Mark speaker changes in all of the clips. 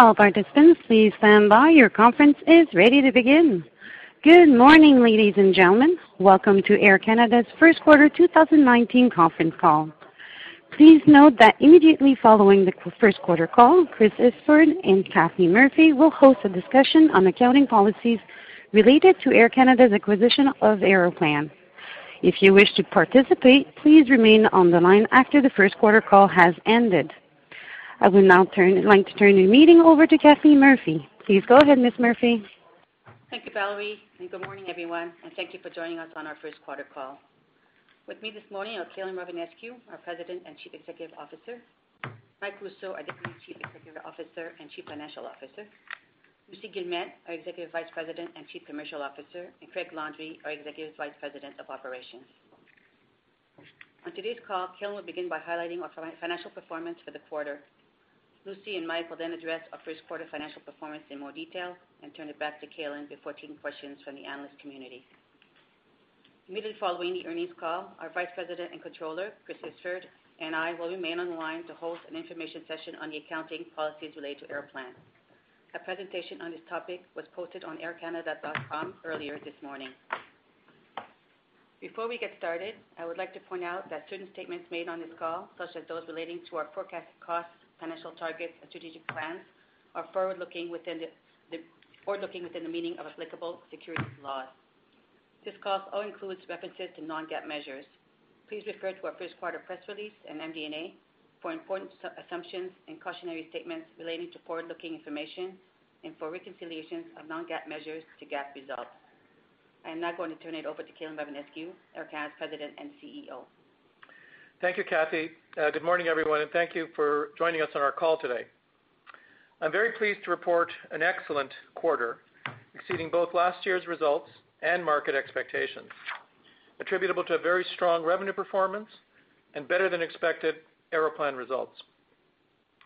Speaker 1: All participants, please stand by. Your conference is ready to begin. Good morning, ladies and gentlemen. Welcome to Air Canada's first quarter 2019 conference call. Please note that immediately following the first quarter call, Chris Isford and Kathleen Murphy will host a discussion on accounting policies related to Air Canada's acquisition of Aeroplan. If you wish to participate, please remain on the line after the first quarter call has ended. I would now like to turn the meeting over to Kathleen Murphy. Please go ahead, Ms. Murphy.
Speaker 2: Thank you, Valerie. Good morning, everyone, and thank you for joining us on our first quarter call. With me this morning are Calin Rovinescu, our President and Chief Executive Officer, Michael Rousseau, our Deputy Chief Executive Officer and Chief Financial Officer, Lucie Guillemette, our Executive Vice President and Chief Commercial Officer, and Craig Landry, our Executive Vice President of Operations. On today's call, Calin will begin by highlighting our financial performance for the quarter. Lucie and Mike will address our first quarter financial performance in more detail and turn it back to Calin before taking questions from the analyst community. Immediately following the earnings call, our Vice President and Controller, Chris Isford, and I will remain on the line to host an information session on the accounting policies related to Aeroplan. A presentation on this topic was posted on aircanada.com earlier this morning. Before we get started, I would like to point out that certain statements made on this call, such as those relating to our forecast costs, financial targets, and strategic plans, are forward-looking within the meaning of applicable securities laws. This call includes references to non-GAAP measures. Please refer to our first quarter press release in MD&A for important assumptions and cautionary statements relating to forward-looking information and for reconciliations of non-GAAP measures to GAAP results. I am now going to turn it over to Calin Rovinescu, Air Canada's President and CEO.
Speaker 3: Thank you, Kathy. Good morning, everyone, and thank you for joining us on our call today. I'm very pleased to report an excellent quarter, exceeding both last year's results and market expectations, attributable to a very strong revenue performance and better than expected Aeroplan results.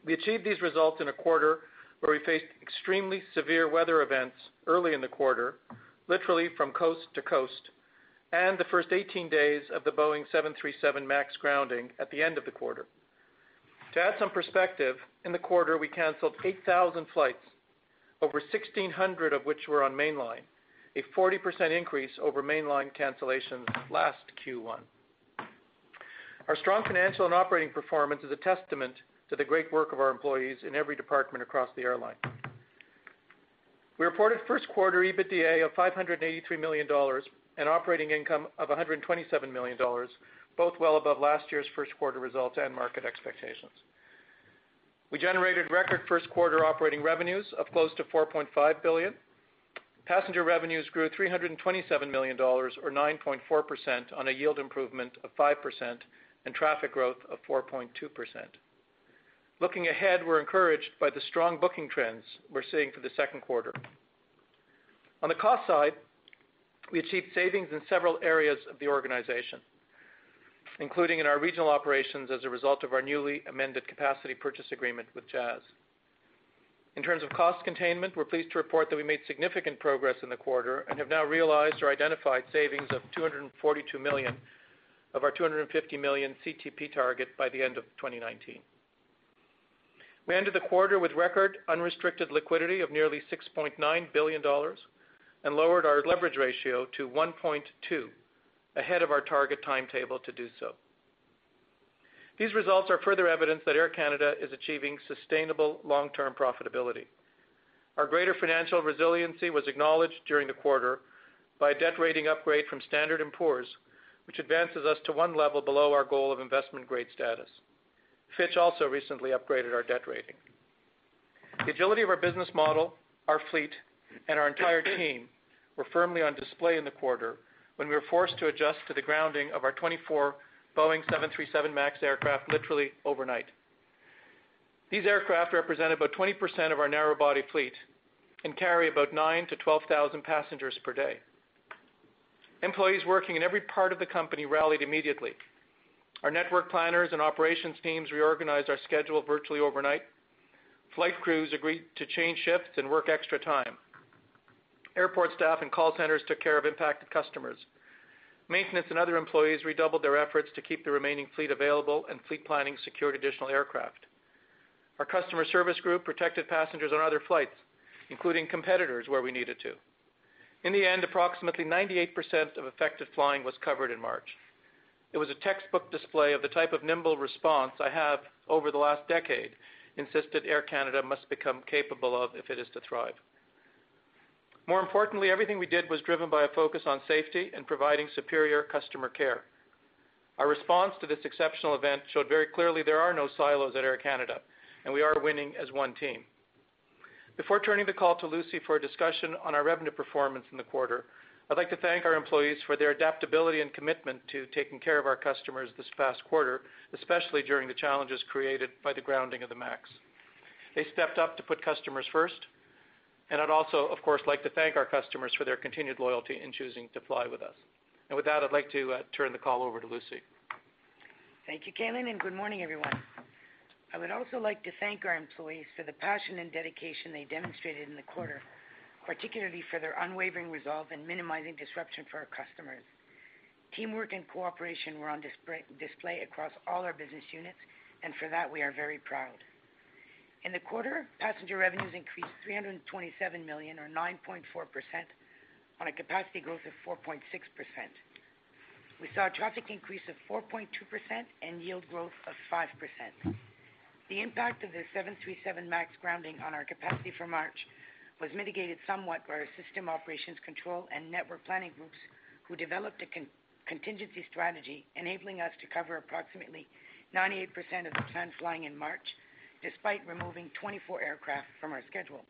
Speaker 3: We achieved these results in a quarter where we faced extremely severe weather events early in the quarter, literally from coast to coast, and the first 18 days of the Boeing 737 MAX grounding at the end of the quarter. To add some perspective, in the quarter, we canceled 8,000 flights, over 1,600 of which were on mainline, a 40% increase over mainline cancellations last Q1. Our strong financial and operating performance is a testament to the great work of our employees in every department across the airline. We reported first quarter EBITDA of 583 million dollars and operating income of 127 million dollars, both well above last year's first quarter results and market expectations. We generated record first-quarter operating revenues of close to 4.5 billion. Passenger revenues grew 327 million dollars, or 9.4%, on a yield improvement of 5% and traffic growth of 4.2%. Looking ahead, we're encouraged by the strong booking trends we're seeing for the second quarter. On the cost side, we achieved savings in several areas of the organization, including in our regional operations as a result of our newly amended capacity purchase agreement with Jazz. In terms of cost containment, we're pleased to report that we made significant progress in the quarter and have now realized or identified savings of 242 million of our 250 million CTP target by the end of 2019. We ended the quarter with record unrestricted liquidity of nearly 6.9 billion dollars and lowered our leverage ratio to 1.2, ahead of our target timetable to do so. These results are further evidence that Air Canada is achieving sustainable long-term profitability. Our greater financial resiliency was acknowledged during the quarter by a debt rating upgrade from Standard & Poor's, which advances us to one level below our goal of investment grade status. Fitch also recently upgraded our debt rating. The agility of our business model, our fleet, and our entire team were firmly on display in the quarter when we were forced to adjust to the grounding of our 24 Boeing 737 MAX aircraft literally overnight. These aircraft represent about 20% of our narrow-body fleet and carry about 9 to 12,000 passengers per day. Employees working in every part of the company rallied immediately. Our network planners and operations teams reorganized our schedule virtually overnight. Flight crews agreed to change shifts and work extra time. Airport staff and call centers took care of impacted customers. Maintenance and other employees redoubled their efforts to keep the remaining fleet available, and fleet planning secured additional aircraft. Our customer service group protected passengers on other flights, including competitors, where we needed to. In the end, approximately 98% of affected flying was covered in March. It was a textbook display of the type of nimble response I have, over the last decade, insisted Air Canada must become capable of if it is to thrive. More importantly, everything we did was driven by a focus on safety and providing superior customer care. Our response to this exceptional event showed very clearly there are no silos at Air Canada, and we are winning as one team. Before turning the call to Lucie for a discussion on our revenue performance in the quarter, I'd like to thank our employees for their adaptability and commitment to taking care of our customers this past quarter, especially during the challenges created by the grounding of the Max. They stepped up to put customers first. I'd also, of course, like to thank our customers for their continued loyalty in choosing to fly with us. With that, I'd like to turn the call over to Lucie.
Speaker 4: Thank you, Calin. Good morning, everyone. I would also like to thank our employees for the passion and dedication they demonstrated in the quarter, particularly for their unwavering resolve in minimizing disruption for our customers. Teamwork and cooperation were on display across all our business units. For that, we are very proud. In the quarter, passenger revenues increased 327 million or 9.4% on a capacity growth of 4.6%. We saw a traffic increase of 4.2% and yield growth of 5%. The impact of the Boeing 737 MAX grounding on our capacity for March was mitigated somewhat by our system operations control and network planning groups, who developed a contingency strategy enabling us to cover approximately 98% of the planned flying in March, despite removing 24 aircraft from our schedule.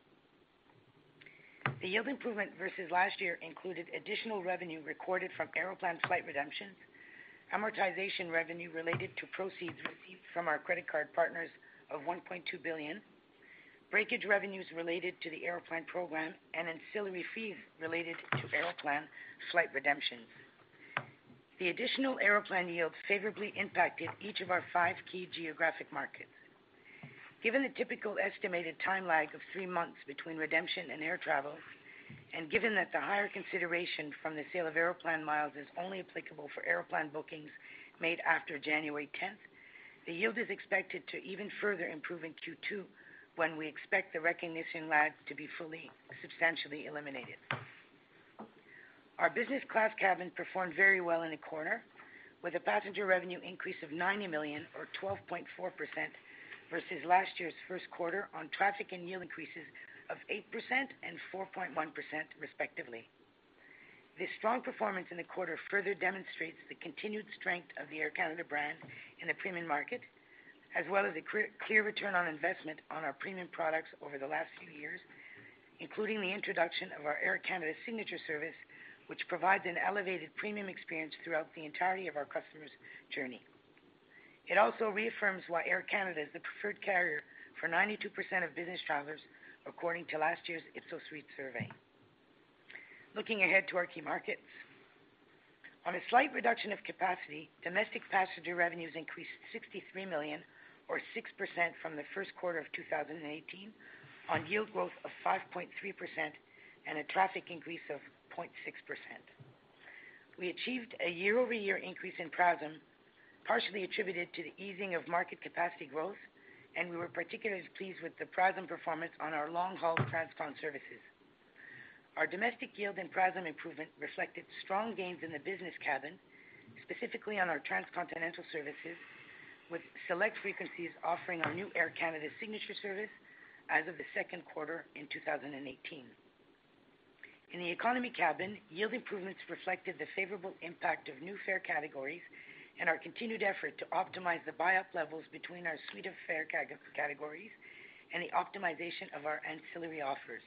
Speaker 4: The yield improvement versus last year included additional revenue recorded from Aeroplan flight redemptions, amortization revenue related to proceeds received from our credit card partners of 1.2 billion, breakage revenues related to the Aeroplan program, and ancillary fees related to Aeroplan flight redemptions. The additional Aeroplan yield favorably impacted each of our five key geographic markets. Given the typical estimated time lag of three months between redemption and air travel, given that the higher consideration from the sale of Aeroplan miles is only applicable for Aeroplan bookings made after January 10th, the yield is expected to even further improve in Q2 when we expect the recognition lag to be fully, substantially eliminated. Our business class cabin performed very well in the quarter with a passenger revenue increase of 90 million or 12.4% versus last year's first quarter on traffic and yield increases of 8% and 4.1%, respectively. This strong performance in the quarter further demonstrates the continued strength of the Air Canada brand in the premium market, as well as the clear return on investment on our premium products over the last few years, including the introduction of our Air Canada Signature Service, which provides an elevated premium experience throughout the entirety of our customer's journey. It also reaffirms why Air Canada is the preferred carrier for 92% of business travelers, according to last year's Ipsos survey. Looking ahead to our key markets. On a slight reduction of capacity, domestic passenger revenues increased 63 million or 6% from the first quarter of 2018 on yield growth of 5.3% and a traffic increase of 0.6%. We achieved a year-over-year increase in PRASM, partially attributed to the easing of market capacity growth. We were particularly pleased with the PRASM performance on our long-haul transcon services. Our domestic yield and PRASM improvement reflected strong gains in the business cabin, specifically on our transcontinental services, with select frequencies offering our new Air Canada Signature Service as of the second quarter in 2018. In the economy cabin, yield improvements reflected the favorable impact of new fare categories and our continued effort to optimize the buy-up levels between our suite of fare categories and the optimization of our ancillary offers.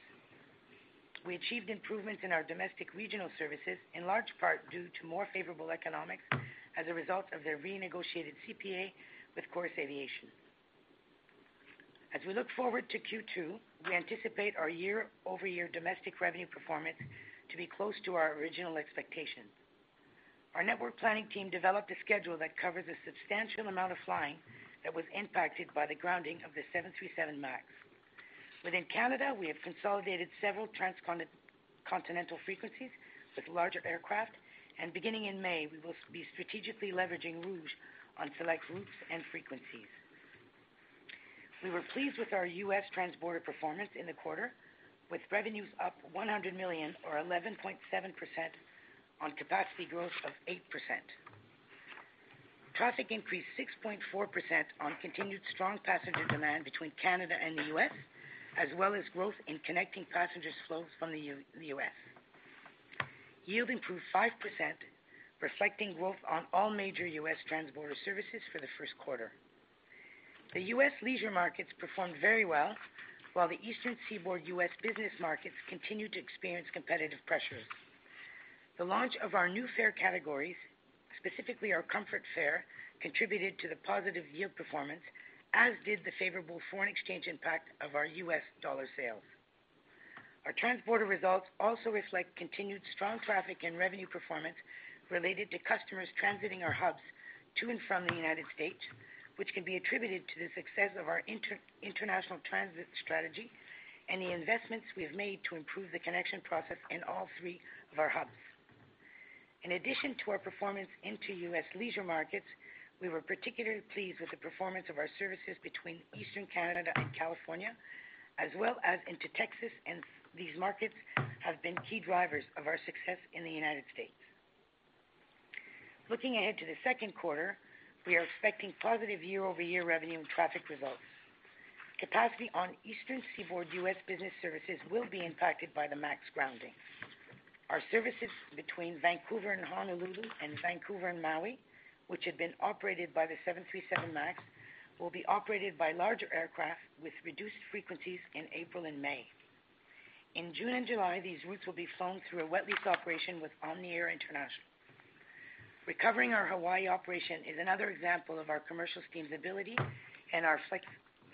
Speaker 4: We achieved improvements in our domestic regional services, in large part due to more favorable economics as a result of their renegotiated CPA with Jazz Aviation. As we look forward to Q2, we anticipate our year-over-year domestic revenue performance to be close to our original expectation. Our network planning team developed a schedule that covers a substantial amount of flying that was impacted by the grounding of the 737 MAX. Within Canada, we have consolidated several transcontinental frequencies with larger aircraft, beginning in May, we will be strategically leveraging Rouge on select routes and frequencies. We were pleased with our U.S. transborder performance in the quarter, with revenues up 100 million or 11.7% on capacity growth of 8%. Traffic increased 6.4% on continued strong passenger demand between Canada and the U.S., as well as growth in connecting passenger flows from the U.S. Yield improved 5%, reflecting growth on all major U.S. transborder services for the first quarter. The U.S. leisure markets performed very well, while the Eastern Seaboard U.S. business markets continued to experience competitive pressures. The launch of our new fare categories, specifically our comfort fare, contributed to the positive yield performance, as did the favorable foreign exchange impact of our U.S. dollar sales. Our transborder results also reflect continued strong traffic and revenue performance related to customers transiting our hubs to and from the United States, which can be attributed to the success of our international transit strategy and the investments we have made to improve the connection process in all three of our hubs. In addition to our performance into U.S. leisure markets, we were particularly pleased with the performance of our services between Eastern Canada and California, as well as into Texas. These markets have been key drivers of our success in the United States. Looking ahead to the second quarter, we are expecting positive year-over-year revenue and traffic results. Capacity on Eastern Seaboard U.S. business services will be impacted by the MAX grounding. Our services between Vancouver and Honolulu and Vancouver and Maui, which had been operated by the 737 MAX, will be operated by larger aircraft with reduced frequencies in April and May. In June and July, these routes will be flown through a wet lease operation with Omni Air International. Recovering our Hawaii operation is another example of our commercial team's ability and our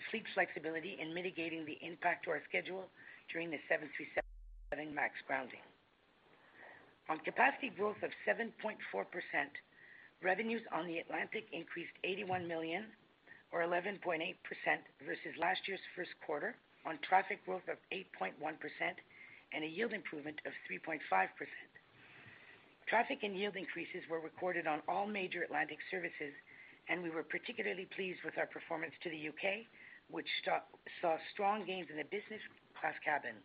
Speaker 4: fleet flexibility in mitigating the impact to our schedule during the 737 MAX grounding. On capacity growth of 7.4%, revenues on the Atlantic increased 81 million or 11.8% versus last year's first quarter on traffic growth of 8.1% and a yield improvement of 3.5%. Traffic and yield increases were recorded on all major Atlantic services. We were particularly pleased with our performance to the U.K., which saw strong gains in the business class cabin.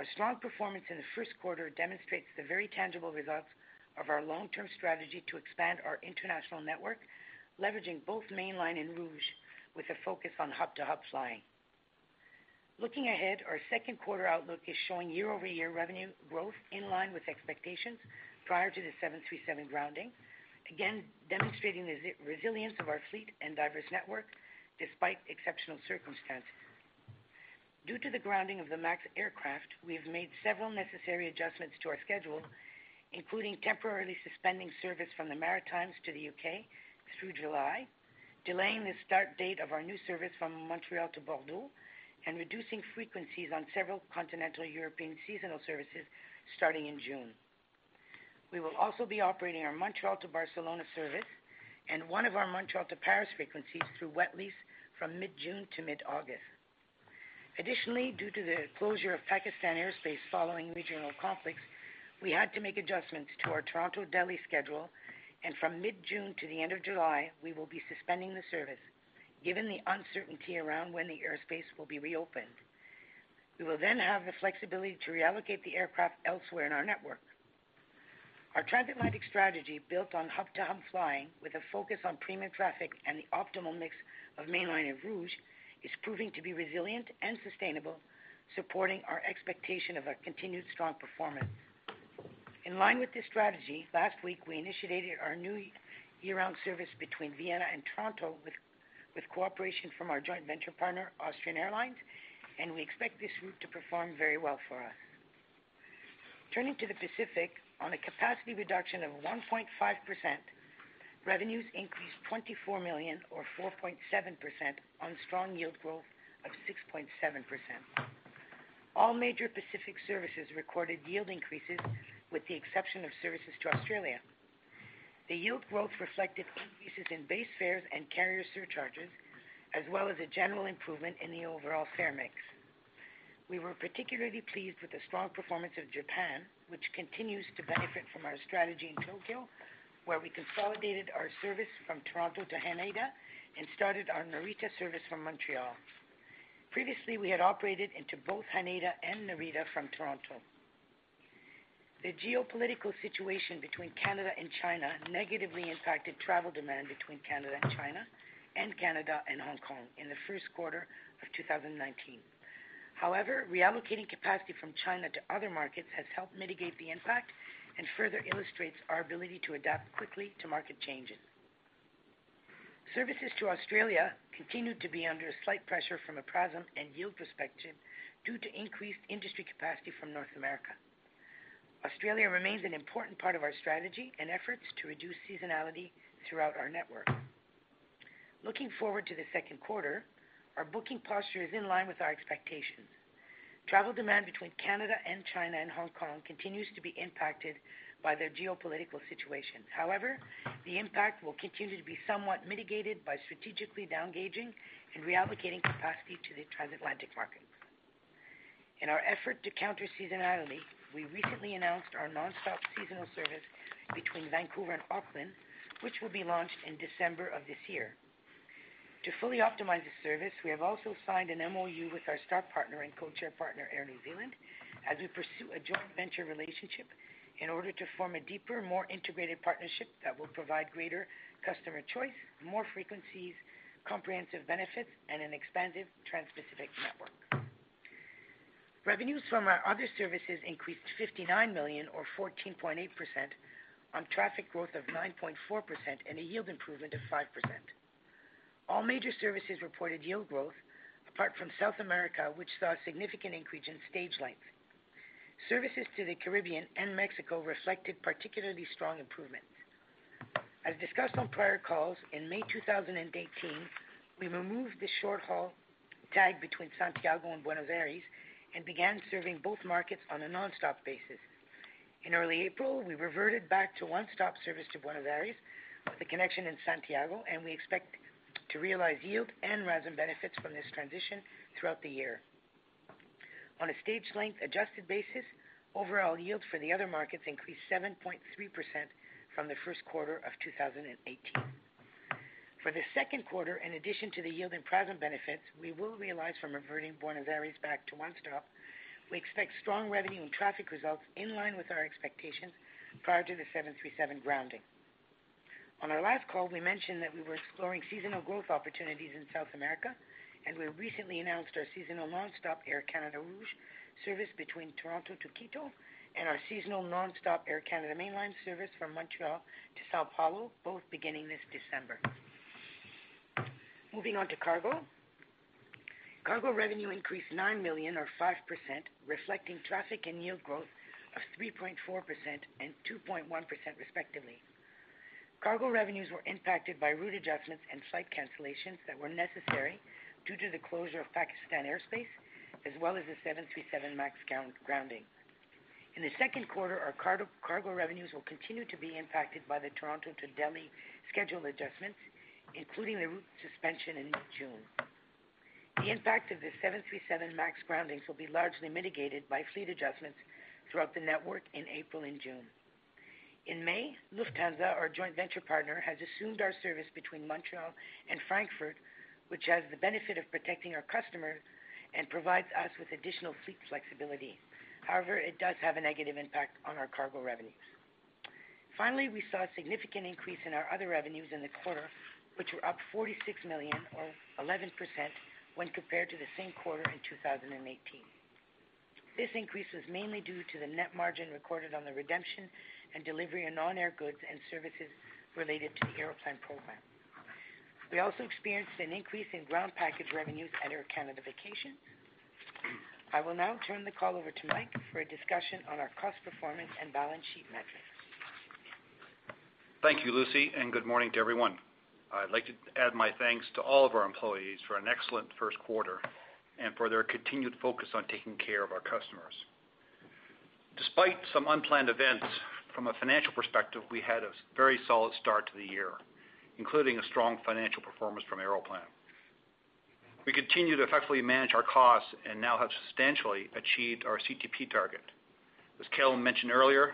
Speaker 4: Our strong performance in the first quarter demonstrates the very tangible results of our long-term strategy to expand our international network, leveraging both mainline and Air Canada Rouge with a focus on hub-to-hub flying. Looking ahead, our second quarter outlook is showing year-over-year revenue growth in line with expectations prior to the 737 grounding, again, demonstrating the resilience of our fleet and diverse network despite exceptional circumstances. Due to the grounding of the MAX aircraft, we have made several necessary adjustments to our schedule, including temporarily suspending service from the Maritimes to the U.K. through July, delaying the start date of our new service from Montreal to Bordeaux, and reducing frequencies on several continental European seasonal services starting in June. We will also be operating our Montreal to Barcelona service and one of our Montreal to Paris frequencies through wet lease from mid-June to mid-August. Additionally, due to the closure of Pakistan airspace following regional conflicts, we had to make adjustments to our Toronto-Delhi schedule. From mid-June to the end of July, we will be suspending the service given the uncertainty around when the airspace will be reopened. We will have the flexibility to reallocate the aircraft elsewhere in our network. Our transatlantic strategy built on hub-to-hub flying with a focus on premium traffic and the optimal mix of mainline and Air Canada Rouge, is proving to be resilient and sustainable, supporting our expectation of a continued strong performance. In line with this strategy, last week, we initiated our new year-round service between Vienna and Toronto with cooperation from our joint venture partner, Austrian Airlines, and we expect this route to perform very well for us. Turning to the Pacific on a capacity reduction of 1.5%, revenues increased 24 million or 4.7% on strong yield growth of 6.7%. All major Pacific services recorded yield increases with the exception of services to Australia. The yield growth reflected increases in base fares and carrier surcharges, as well as a general improvement in the overall fare mix. We were particularly pleased with the strong performance of Japan, which continues to benefit from our strategy in Tokyo, where we consolidated our service from Toronto to Haneda and started our Narita service from Montreal. Previously, we had operated into both Haneda and Narita from Toronto. The geopolitical situation between Canada and China negatively impacted travel demand between Canada and China and Canada and Hong Kong in the first quarter of 2019. Reallocating capacity from China to other markets has helped mitigate the impact and further illustrates our ability to adapt quickly to market changes. Services to Australia continued to be under slight pressure from a PRASM and yield perspective due to increased industry capacity from North America. Australia remains an important part of our strategy and efforts to reduce seasonality throughout our network. Looking forward to the second quarter, our booking posture is in line with our expectations. Travel demand between Canada and China and Hong Kong continues to be impacted by their geopolitical situation. The impact will continue to be somewhat mitigated by strategically downgauging and reallocating capacity to the transatlantic market. In our effort to counter seasonality, we recently announced our nonstop seasonal service between Vancouver and Auckland, which will be launched in December of this year. To fully optimize the service, we have also signed an MOU with our Star partner and codeshare partner, Air New Zealand, as we pursue a joint venture relationship in order to form a deeper, more integrated partnership that will provide greater customer choice, more frequencies, comprehensive benefits, and an expanded transpacific network. Revenues from our other services increased 59 million or 14.8% on traffic growth of 9.4% and a yield improvement of 5%. All major services reported yield growth apart from South America, which saw a significant increase in stage length. Services to the Caribbean and Mexico reflected particularly strong improvements. As discussed on prior calls, in May 2018, we removed the short-haul tag between Santiago and Buenos Aires and began serving both markets on a nonstop basis. In early April, we reverted back to one-stop service to Buenos Aires with a connection in Santiago, and we expect to realize yield and RASM benefits from this transition throughout the year. On a stage length adjusted basis, overall yield for the other markets increased 7.3% from the first quarter of 2018. For the second quarter, in addition to the yield and PRASM benefits we will realize from reverting Buenos Aires back to one stop, we expect strong revenue and traffic results in line with our expectations prior to the 737 grounding. On our last call, we mentioned that we were exploring seasonal growth opportunities in South America, and we recently announced our seasonal nonstop Air Canada Rouge service between Toronto to Quito and our seasonal nonstop Air Canada mainline service from Montreal to São Paulo, both beginning this December. Moving on to cargo. Cargo revenue increased 9 million or 5%, reflecting traffic and yield growth of 3.4% and 2.1% respectively. Cargo revenues were impacted by route adjustments and flight cancellations that were necessary due to the closure of Pakistan airspace, as well as the 737 MAX grounding. In the second quarter, our cargo revenues will continue to be impacted by the Toronto to Delhi schedule adjustments, including the route suspension in mid-June. The impact of the 737 MAX groundings will be largely mitigated by fleet adjustments throughout the network in April and June. In May, Lufthansa, our joint venture partner, has assumed our service between Montreal and Frankfurt, which has the benefit of protecting our customers and provides us with additional fleet flexibility. However, it does have a negative impact on our cargo revenues. Finally, we saw a significant increase in our other revenues in the quarter, which were up 46 million or 11% when compared to the same quarter in 2018. This increase was mainly due to the net margin recorded on the redemption and delivery of non-air goods and services related to the Aeroplan program. We also experienced an increase in ground package revenues at Air Canada Vacations. I will now turn the call over to Mike for a discussion on our cost performance and balance sheet metrics.
Speaker 5: Thank you, Lucie, and good morning to everyone. I'd like to add my thanks to all of our employees for an excellent first quarter and for their continued focus on taking care of our customers. Despite some unplanned events, from a financial perspective, we had a very solid start to the year, including a strong financial performance from Aeroplan. We continue to effectively manage our costs and now have substantially achieved our CTP target. As Calin mentioned earlier,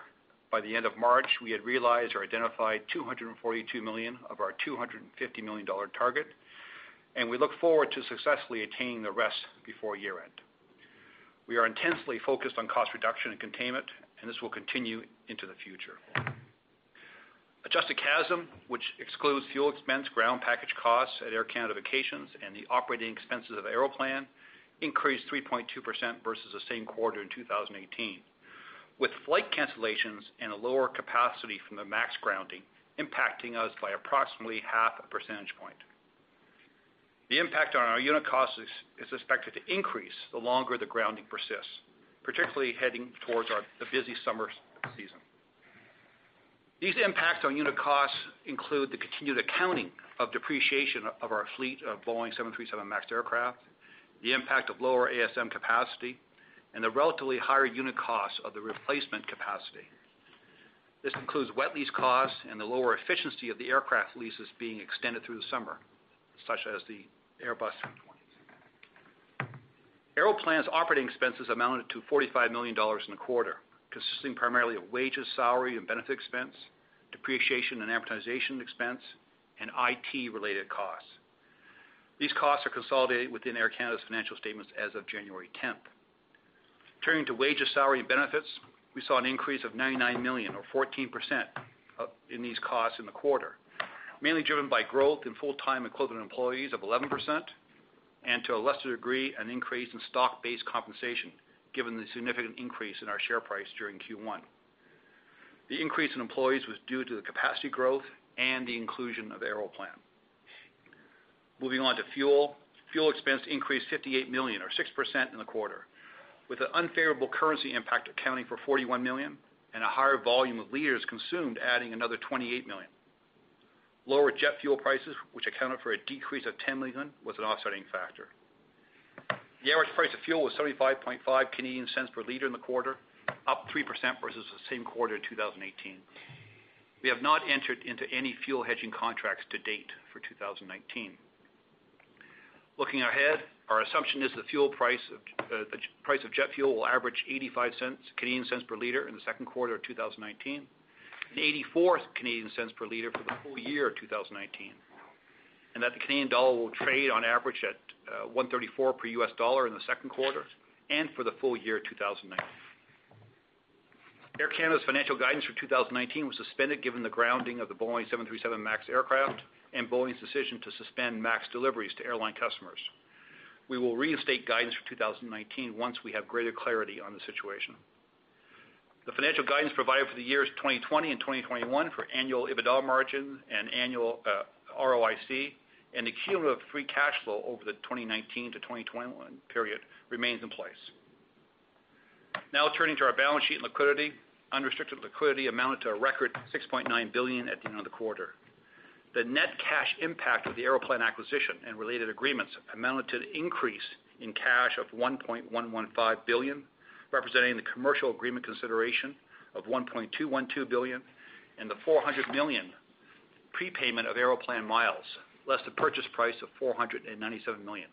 Speaker 5: by the end of March, we had realized or identified 242 million of our 250 million dollar target, and we look forward to successfully attaining the rest before year-end. We are intensely focused on cost reduction and containment, and this will continue into the future. Adjusted CASM, which excludes fuel expense, ground package costs at Air Canada Vacations, and the operating expenses of Aeroplan, increased 3.2% versus the same quarter in 2018, with flight cancellations and a lower capacity from the MAX grounding impacting us by approximately half a percentage point. The impact on our unit costs is expected to increase the longer the grounding persists, particularly heading towards the busy summer season. These impacts on unit costs include the continued accounting of depreciation of our fleet of Boeing 737 MAX aircraft, the impact of lower ASM capacity, and the relatively higher unit cost of the replacement capacity. This includes wet lease costs and the lower efficiency of the aircraft leases being extended through the summer, such as the Airbus A320s. Aeroplan's operating expenses amounted to 45 million dollars in the quarter, consisting primarily of wages, salary, and benefit expense, depreciation and amortization expense, and IT-related costs. These costs are consolidated within Air Canada's financial statements as of January 10th. Turning to wages, salary, and benefits, we saw an increase of 99 million or 14% in these costs in the quarter, mainly driven by growth in full-time equivalent employees of 11% and, to a lesser degree, an increase in stock-based compensation, given the significant increase in our share price during Q1. The increase in employees was due to the capacity growth and the inclusion of Aeroplan. Moving on to fuel. Fuel expense increased 58 million or 6% in the quarter, with the unfavorable currency impact accounting for 41 million and a higher volume of liters consumed adding another 28 million. Lower jet fuel prices, which accounted for a decrease of 10 million, was an offsetting factor. The average price of fuel was 0.755 per liter in the quarter, up 3% versus the same quarter in 2018. We have not entered into any fuel hedging contracts to date for 2019. Looking ahead, our assumption is the price of jet fuel will average 0.85 per liter in the second quarter of 2019 and 0.84 per liter for the full year of 2019, and that the Canadian dollar will trade on average at 1.34 per U.S. dollar in the second quarter and for the full year 2019. Air Canada's financial guidance for 2019 was suspended given the grounding of the Boeing 737 MAX aircraft and Boeing's decision to suspend MAX deliveries to airline customers. We will reinstate guidance for 2019 once we have greater clarity on the situation. The financial guidance provided for the years 2020 and 2021 for annual EBITDA margin and annual ROIC, and the cumulative free cash flow over the 2019-2021 period remains in place. Turning to our balance sheet and liquidity. Unrestricted liquidity amounted to a record 6.9 billion at the end of the quarter. The net cash impact of the Aeroplan acquisition and related agreements amounted to the increase in cash of 1.115 billion, representing the commercial agreement consideration of 1.212 billion and the 400 million prepayment of Aeroplan miles, less the purchase price of 497 million,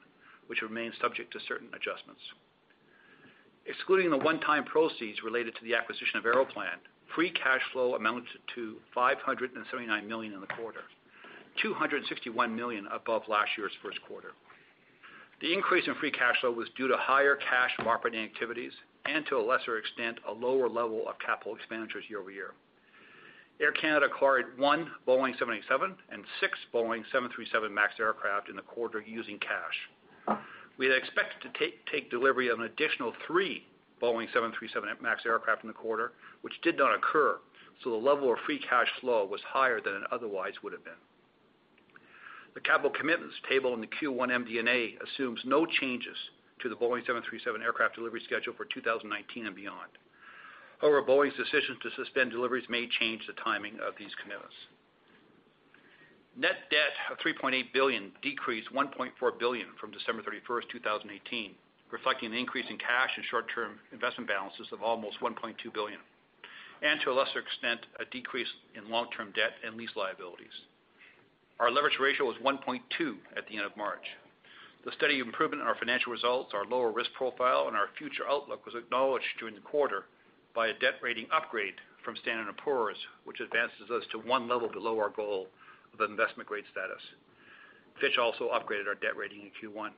Speaker 5: which remains subject to certain adjustments. Excluding the one-time proceeds related to the acquisition of Aeroplan, free cash flow amounted to 579 million in the quarter, 261 million above last year's first quarter. The increase in free cash flow was due to higher cash from operating activities and, to a lesser extent, a lower level of capital expenditures year-over-year. Air Canada acquired one Boeing 787 and six Boeing 737 MAX aircraft in the quarter using cash. We had expected to take delivery of an additional three Boeing 737 MAX aircraft in the quarter, which did not occur, the level of free cash flow was higher than it otherwise would have been. The capital commitments table in the Q1 MD&A assumes no changes to the Boeing 737 aircraft delivery schedule for 2019 and beyond. Boeing's decision to suspend deliveries may change the timing of these commitments. Net debt of 3.8 billion decreased 1.4 billion from December 31, 2018, reflecting an increase in cash and short-term investment balances of almost 1.2 billion, and to a lesser extent, a decrease in long-term debt and lease liabilities. Our leverage ratio was 1.2 at the end of March. The steady improvement in our financial results, our lower risk profile, and our future outlook was acknowledged during the quarter by a debt rating upgrade from Standard & Poor's, which advances us to one level below our goal of investment-grade status. Fitch also upgraded our debt rating in Q1.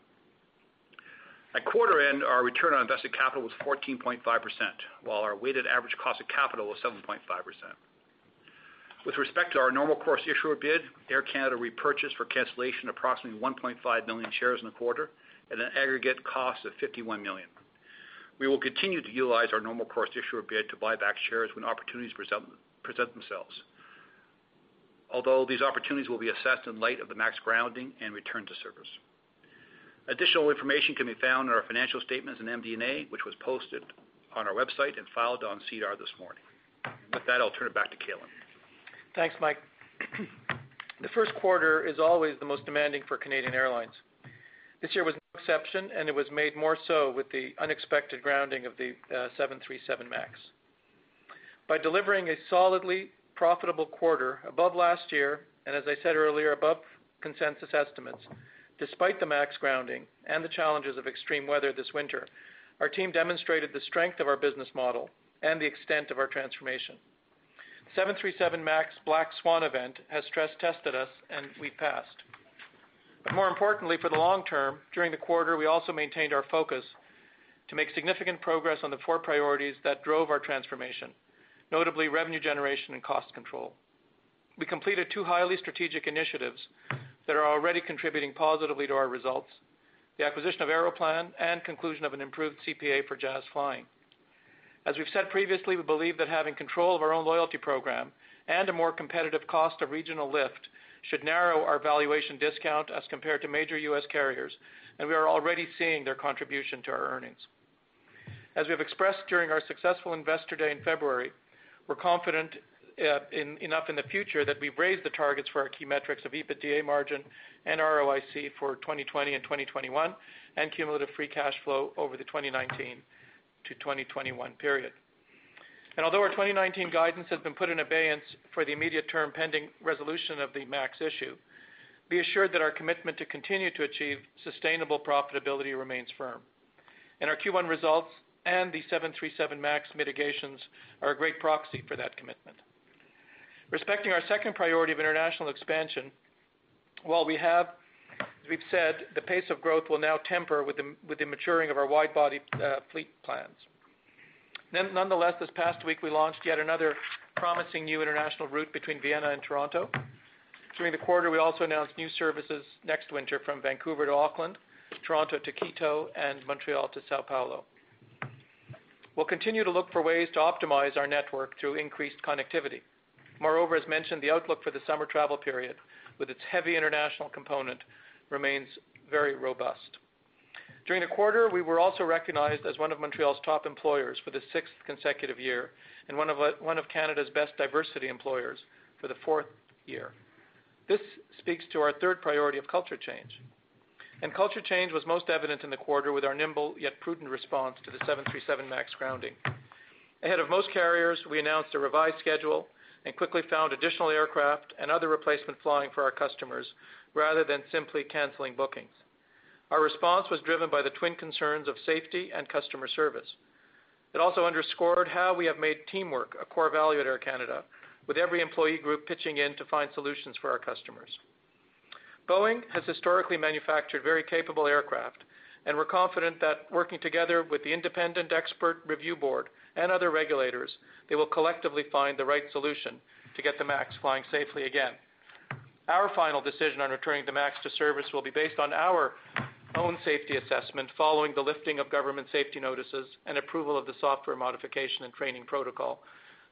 Speaker 5: At quarter end, our return on invested capital was 14.5%, while our weighted average cost of capital was 7.5%. With respect to our normal course issuer bid, Air Canada repurchased for cancellation approximately 1.5 million shares in the quarter at an aggregate cost of 51 million. We will continue to utilize our normal course issuer bid to buy back shares when opportunities present themselves. These opportunities will be assessed in light of the MAX grounding and return to service. Additional information can be found in our financial statements and MD&A, which was posted on our website and filed on SEDAR this morning. With that, I'll turn it back to Calin.
Speaker 3: Thanks, Mike. The first quarter is always the most demanding for Canadian airlines. This year was no exception, and it was made more so with the unexpected grounding of the Boeing 737 MAX. By delivering a solidly profitable quarter above last year, and as I said earlier, above consensus estimates, despite the MAX grounding and the challenges of extreme weather this winter, our team demonstrated the strength of our business model and the extent of our transformation. The Boeing 737 MAX Black Swan event has stress tested us, and we passed. More importantly for the long term, during the quarter, we also maintained our focus to make significant progress on the four priorities that drove our transformation, notably revenue generation and cost control. We completed two highly strategic initiatives that are already contributing positively to our results, the acquisition of Aeroplan and conclusion of an improved CPA for Jazz Aviation. As we've said previously, we believe that having control of our own loyalty program and a more competitive cost of regional lift should narrow our valuation discount as compared to major U.S. carriers, and we are already seeing their contribution to our earnings. As we have expressed during our successful Investor Day in February, we're confident enough in the future that we've raised the targets for our key metrics of EBITDA margin and ROIC for 2020 and 2021, and cumulative free cash flow over the 2019 to 2021 period. Although our 2019 guidance has been put in abeyance for the immediate term pending resolution of the MAX issue, be assured that our commitment to continue to achieve sustainable profitability remains firm, and our Q1 results and the Boeing 737 MAX mitigations are a great proxy for that commitment. Respecting our second priority of international expansion, while we have, as we've said, the pace of growth will now temper with the maturing of our wide-body fleet plans. Nonetheless, this past week, we launched yet another promising new international route between Vienna and Toronto. During the quarter, we also announced new services next winter from Vancouver to Auckland, Toronto to Quito, and Montreal to São Paulo. We'll continue to look for ways to optimize our network through increased connectivity. Moreover, as mentioned, the outlook for the summer travel period, with its heavy international component, remains very robust. During the quarter, we were also recognized as one of Montreal's top employers for the sixth consecutive year and one of Canada's best diversity employers for the fourth year. This speaks to our third priority of culture change. Culture change was most evident in the quarter with our nimble yet prudent response to the Boeing 737 MAX grounding. Ahead of most carriers, we announced a revised schedule and quickly found additional aircraft and other replacement flying for our customers rather than simply canceling bookings. Our response was driven by the twin concerns of safety and customer service. It also underscored how we have made teamwork a core value at Air Canada, with every employee group pitching in to find solutions for our customers. Boeing has historically manufactured very capable aircraft, and we're confident that working together with the independent expert review board and other regulators, they will collectively find the right solution to get the MAX flying safely again. Our final decision on returning the MAX to service will be based on our own safety assessment following the lifting of government safety notices and approval of the software modification and training protocol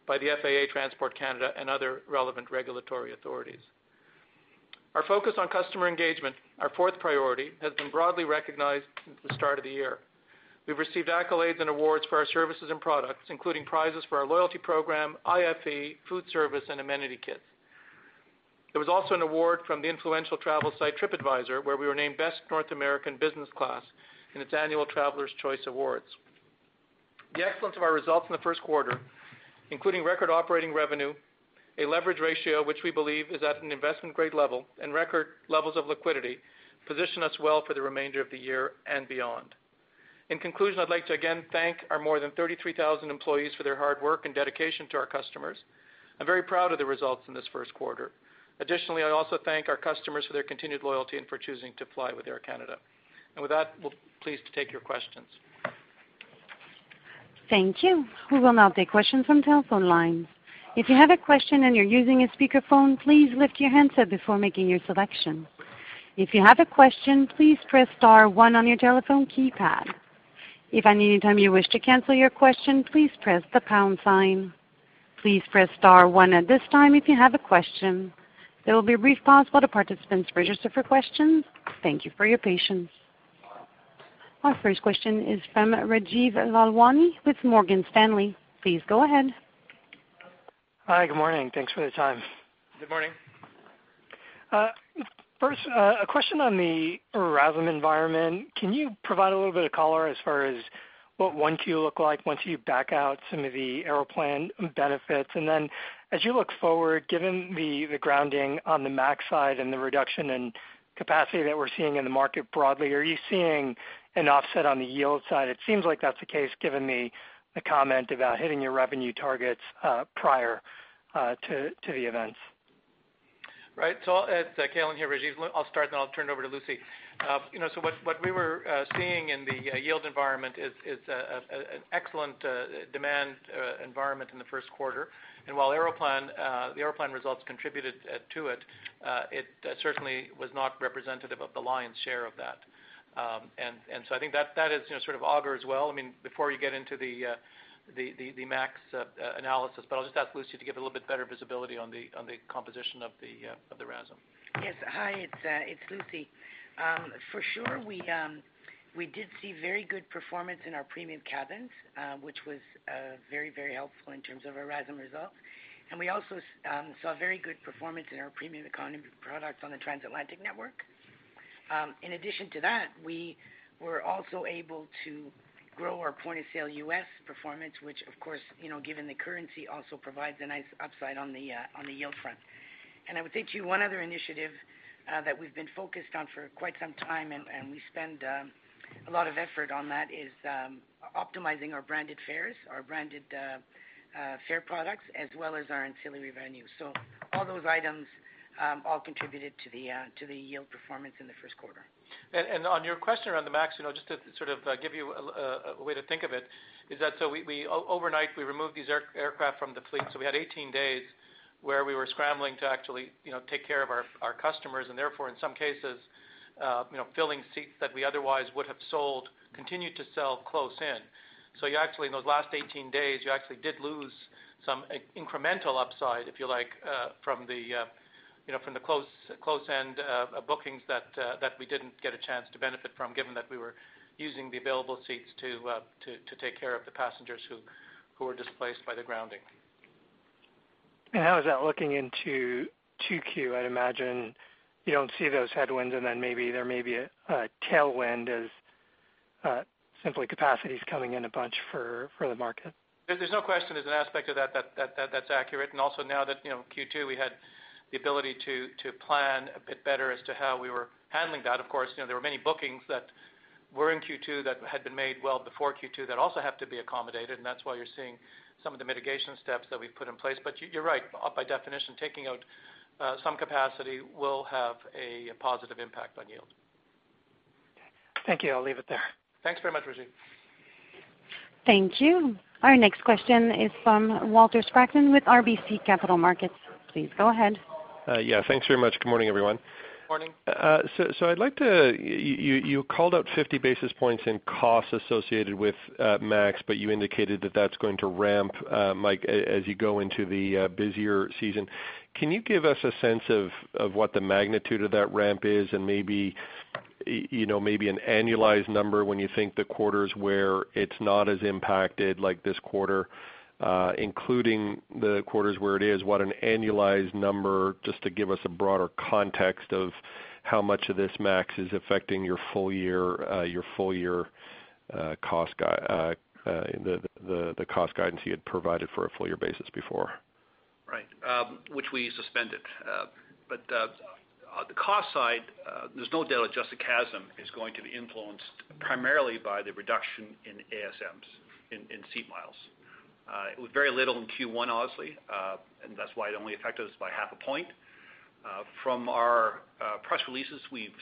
Speaker 3: by the FAA, Transport Canada, and other relevant regulatory authorities. Our focus on customer engagement, our fourth priority, has been broadly recognized since the start of the year. We've received accolades and awards for our services and products, including prizes for our loyalty program, IFE, food service, and amenity kits. There was also an award from the influential travel site Tripadvisor, where we were named Best North American Business Class in its annual Travelers' Choice Awards. The excellence of our results in the first quarter, including record operating revenue, a leverage ratio which we believe is at an investment-grade level, and record levels of liquidity, position us well for the remainder of the year and beyond. In conclusion, I'd like to again thank our more than 33,000 employees for their hard work and dedication to our customers. I'm very proud of the results in this first quarter. Additionally, I'd also thank our customers for their continued loyalty and for choosing to fly with Air Canada. With that, we're pleased to take your questions.
Speaker 1: Thank you. We will now take questions from telephone lines. If you have a question and you're using a speakerphone, please lift your handset before making your selection. If you have a question, please press star one on your telephone keypad. If at any time you wish to cancel your question, please press the pound sign. Please press star one at this time if you have a question. There will be a brief pause while the participants register for questions. Thank you for your patience. Our first question is from Rajeev Lalwani with Morgan Stanley. Please go ahead.
Speaker 6: Hi, good morning. Thanks for the time.
Speaker 3: Good morning.
Speaker 6: First, a question on the RASM environment. Can you provide a little bit of color as far as what 1Q looked like once you back out some of the Aeroplan benefits? As you look forward, given the grounding on the MAX side and the reduction in capacity that we're seeing in the market broadly, are you seeing an offset on the yield side? It seems like that's the case, given the comment about hitting your revenue targets, prior to the events.
Speaker 3: Right. It's Calin here, Rajeev. I'll start and then I'll turn it over to Lucie. What we were seeing in the yield environment is an excellent demand environment in the first quarter. While the Aeroplan results contributed to it certainly was not representative of the lion's share of that. I think that is an augur as well, before you get into the MAX analysis. I'll just ask Lucie to give a little bit better visibility on the composition of the RASM.
Speaker 4: Yes. Hi, it's Lucie. For sure, we did see very good performance in our premium cabins, which was very helpful in terms of our RASM results. We also saw very good performance in our premium economy products on the transatlantic network. In addition to that, we were also able to grow our point-of-sale U.S. performance, which of course, given the currency, also provides a nice upside on the yield front. I would say to you, one other initiative that we've been focused on for quite some time, and we spend a lot of effort on that, is optimizing our branded fares, our branded fare products, as well as our ancillary revenue. All those items all contributed to the yield performance in the first quarter.
Speaker 5: On your question around the MAX, just to give you a way to think of it, is that overnight we removed these aircraft from the fleet. We had 18 days where we were scrambling to actually take care of our customers and therefore in some cases, filling seats that we otherwise would have sold, continued to sell close in. You actually, in those last 18 days, you actually did lose some incremental upside, if you like, from the close in bookings that we didn't get a chance to benefit from, given that we were using the available seats to take care of the passengers who were displaced by the grounding.
Speaker 6: How is that looking into 2Q? I'd imagine you don't see those headwinds and then maybe there may be a tailwind as simply capacity's coming in a bunch for the market.
Speaker 3: There's no question there's an aspect of that's accurate. Also now that Q2, we had the ability to plan a bit better as to how we were handling that. Of course, there were many bookings that were in Q2 that had been made well before Q2 that also have to be accommodated, and that's why you're seeing some of the mitigation steps that we've put in place. You're right. By definition, taking out some capacity will have a positive impact on yield.
Speaker 6: Okay. Thank you. I'll leave it there.
Speaker 3: Thanks very much, Rajeev.
Speaker 1: Thank you. Our next question is from Walter Spracklin with RBC Capital Markets. Please go ahead.
Speaker 7: Yeah, thanks very much. Good morning, everyone.
Speaker 3: Morning.
Speaker 7: You called out 50 basis points in costs associated with MAX, you indicated that that's going to ramp, Mike, as you go into the busier season. Can you give us a sense of what the magnitude of that ramp is and maybe an annualized number when you think the quarters where it's not as impacted like this quarter, including the quarters where it is, what an annualized number, just to give us a broader context of how much of this MAX is affecting your full year cost guidance you had provided for a full year basis before.
Speaker 5: Right. Which we suspended. The cost side, there's no doubt adjusted CASM is going to be influenced primarily by the reduction in ASMs, in seat miles. It was very little in Q1, obviously, and that's why it only affected us by half a point. From our press releases, we've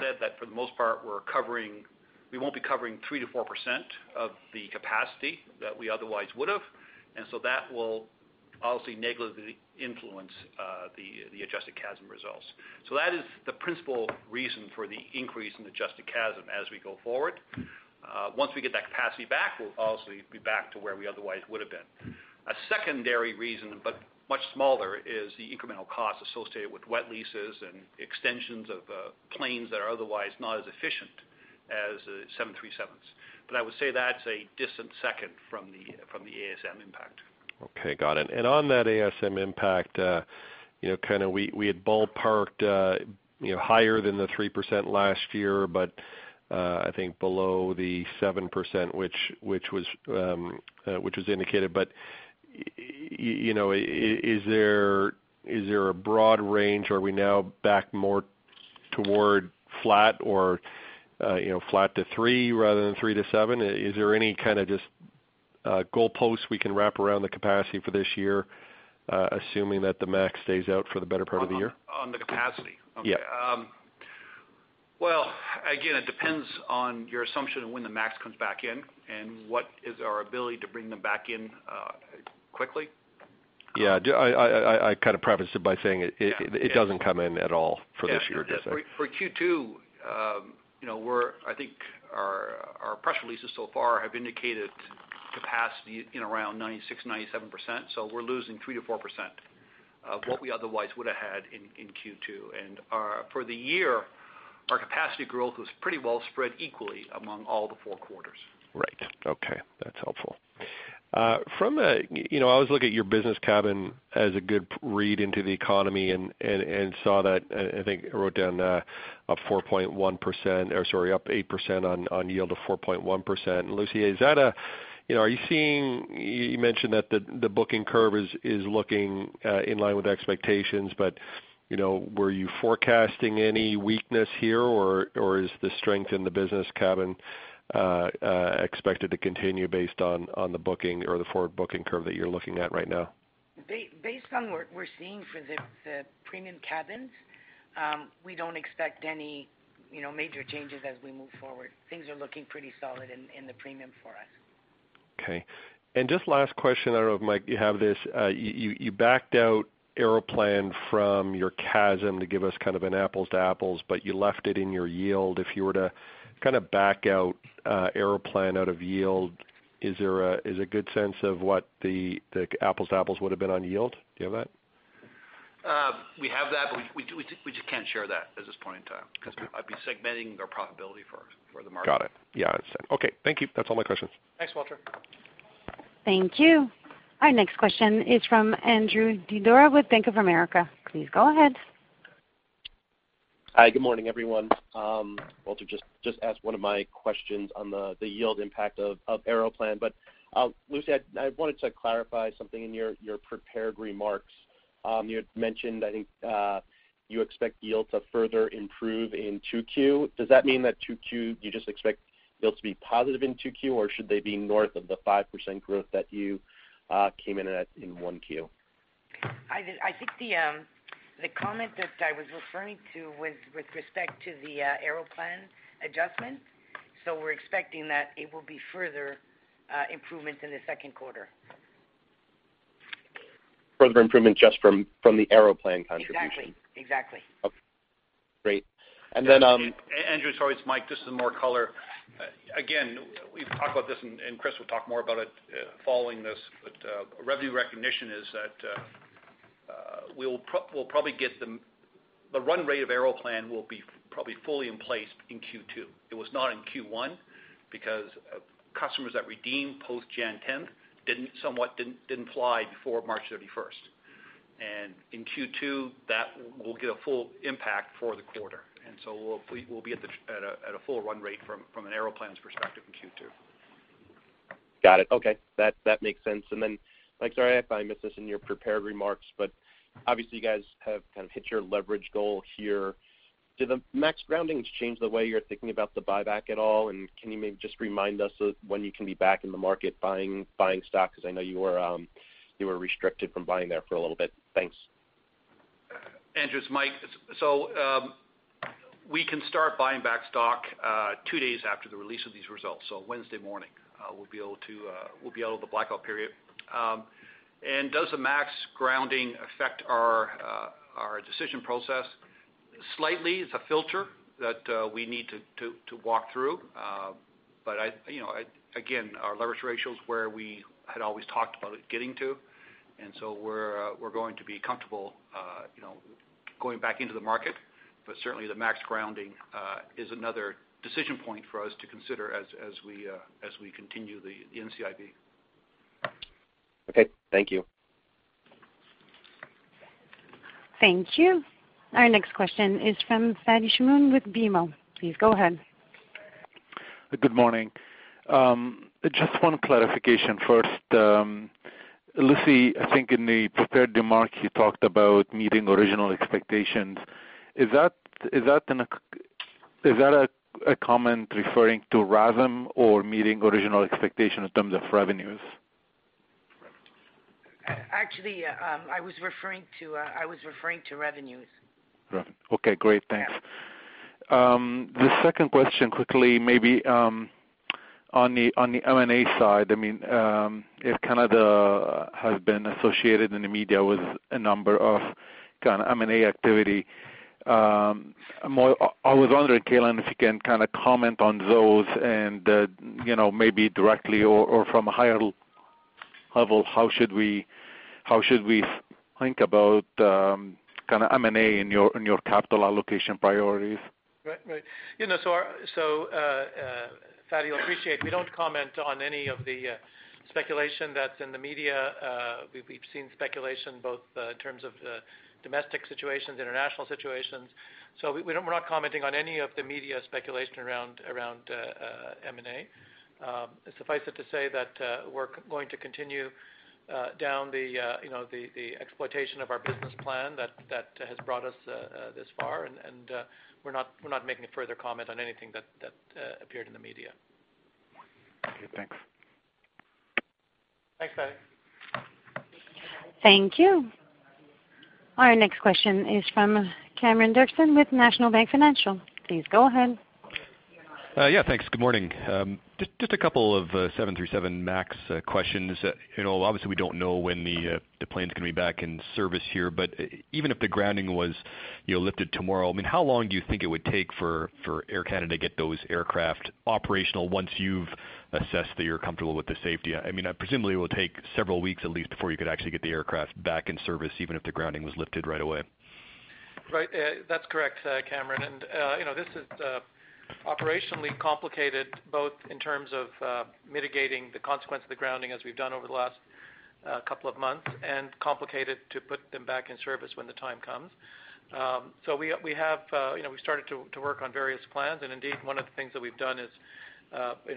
Speaker 5: said that for the most part, we won't be covering 3%-4% of the capacity that we otherwise would have. That will obviously negatively influence the adjusted CASM results. That is the principal reason for the increase in adjusted CASM as we go forward. Once we get that capacity back, we'll obviously be back to where we otherwise would have been. A secondary reason, but much smaller, is the incremental cost associated with wet leases and extensions of planes that are otherwise not as efficient as the 737s. I would say that's a distant second from the ASM impact.
Speaker 7: Okay. Got it. On that ASM impact, we had ballparked higher than the 3% last year, I think below the 7% which was indicated. Is there a broad range? Are we now back more toward flat or flat to three rather than three to seven? Is there any kind of just goalposts we can wrap around the capacity for this year, assuming that the MAX stays out for the better part of the year?
Speaker 5: On the capacity?
Speaker 7: Yeah.
Speaker 5: Well, again, it depends on your assumption of when the MAX comes back in and what is our ability to bring them back in quickly.
Speaker 7: Yeah, I prefaced it by saying it doesn't come in at all for this year.
Speaker 5: Yeah. For Q2, I think our press releases so far have indicated capacity in around 96%, 97%, we're losing 3%-4%, of what we otherwise would have had in Q2. For the year, our capacity growth was pretty well spread equally among all the four quarters.
Speaker 7: Right. Okay. That's helpful. I always look at your business cabin as a good read into the economy. Saw that, I think, wrote down up 8% on yield of 4.1%. Lucie, you mentioned that the booking curve is looking in line with expectations. Were you forecasting any weakness here, or is the strength in the business cabin expected to continue based on the booking or the forward booking curve that you're looking at right now?
Speaker 4: Based on what we're seeing for the premium cabins, we don't expect any major changes as we move forward. Things are looking pretty solid in the premium for us.
Speaker 7: Okay. Just last question. I don't know if, Mike, you have this. You backed out Aeroplan from your CASM to give us kind of an apples to apples. You left it in your yield. If you were to back out Aeroplan out of yield, is there a good sense of what the apples to apples would've been on yield? Do you have that?
Speaker 5: We have that. We just can't share that at this point in time because I'd be segmenting our profitability for the market.
Speaker 7: Got it. Yeah, that's it. Okay. Thank you. That's all my questions.
Speaker 5: Thanks, Walter.
Speaker 1: Thank you. Our next question is from Andrew Didora with Bank of America. Please go ahead.
Speaker 8: Hi. Good morning, everyone. Walter just asked one of my questions on the yield impact of Aeroplan. Lucie, I wanted to clarify something in your prepared remarks. You had mentioned, I think, you expect yield to further improve in 2Q. Does that mean that 2Q, you just expect yield to be positive in 2Q, or should they be north of the 5% growth that you came in at in 1Q?
Speaker 4: I think the comment that I was referring to was with respect to the Aeroplan adjustment. We're expecting that it will be further improvement in the second quarter.
Speaker 8: Further improvement just from the Aeroplan contribution.
Speaker 4: Exactly.
Speaker 8: Okay, great.
Speaker 5: Andrew, sorry, it's Mike. Just some more color. Again, we've talked about this, Chris will talk more about it following this, but revenue recognition is that the run rate of Aeroplan will be probably fully in place in Q2. It was not in Q1 because customers that redeemed post January 10th somewhat didn't fly before March 31st. In Q2, that will get a full impact for the quarter, and so we'll be at a full run rate from an Aeroplan's perspective in Q2.
Speaker 8: Got it. Okay. That makes sense. Mike, sorry if I missed this in your prepared remarks, but obviously you guys have hit your leverage goal here. Do the MAX grounding change the way you're thinking about the buyback at all, and can you maybe just remind us of when you can be back in the market buying stock? Because I know you were restricted from buying there for a little bit. Thanks.
Speaker 5: Andrew, it's Mike. We can start buying back stock two days after the release of these results. Wednesday morning we'll be out of the blackout period. Does the MAX grounding affect our decision process? Slightly. It's a filter that we need to walk through. Again, our leverage ratio is where we had always talked about it getting to, we're going to be comfortable going back into the market. Certainly the MAX grounding is another decision point for us to consider as we continue the NCIB.
Speaker 8: Okay. Thank you.
Speaker 1: Thank you. Our next question is from Fadi Chamoun with BMO. Please go ahead.
Speaker 9: Good morning. Just one clarification first. Lucie, I think in the prepared remark, you talked about meeting original expectations. Is that a comment referring to RASM or meeting original expectation in terms of revenues?
Speaker 4: Actually, I was referring to revenues.
Speaker 9: Revenue. Okay, great. Thanks. The second question quickly, maybe on the M&A side. Air Canada has been associated in the media with a number of M&A activity. I was wondering, Calin, if you can comment on those and maybe directly or from a higher level, how should we think about M&A in your capital allocation priorities?
Speaker 3: Right. Fadi, I appreciate we don't comment on any of the speculation that's in the media. We've seen speculation both in terms of domestic situations, international situations. We're not commenting on any of the media speculation around M&A. Suffice it to say that we're going to continue down the exploitation of our business plan that has brought us this far, and we're not making a further comment on anything that appeared in the media.
Speaker 9: Okay, thanks.
Speaker 3: Thanks, Fadi.
Speaker 1: Thank you. Our next question is from Cameron Doerksen with National Bank Financial. Please go ahead.
Speaker 10: Yeah, thanks. Good morning. Just a couple of Boeing 737 MAX questions. Obviously, we don't know when the planes are going to be back in service here, but even if the grounding was lifted tomorrow. How long do you think it would take for Air Canada to get those aircraft operational once you've assessed that you're comfortable with the safety? Presumably, it will take several weeks at least before you could actually get the aircraft back in service, even if the grounding was lifted right away.
Speaker 3: Right. That's correct, Cameron. This is operationally complicated both in terms of mitigating the consequence of the grounding as we've done over the last couple of months, complicated to put them back in service when the time comes. We started to work on various plans, indeed, one of the things that we've done is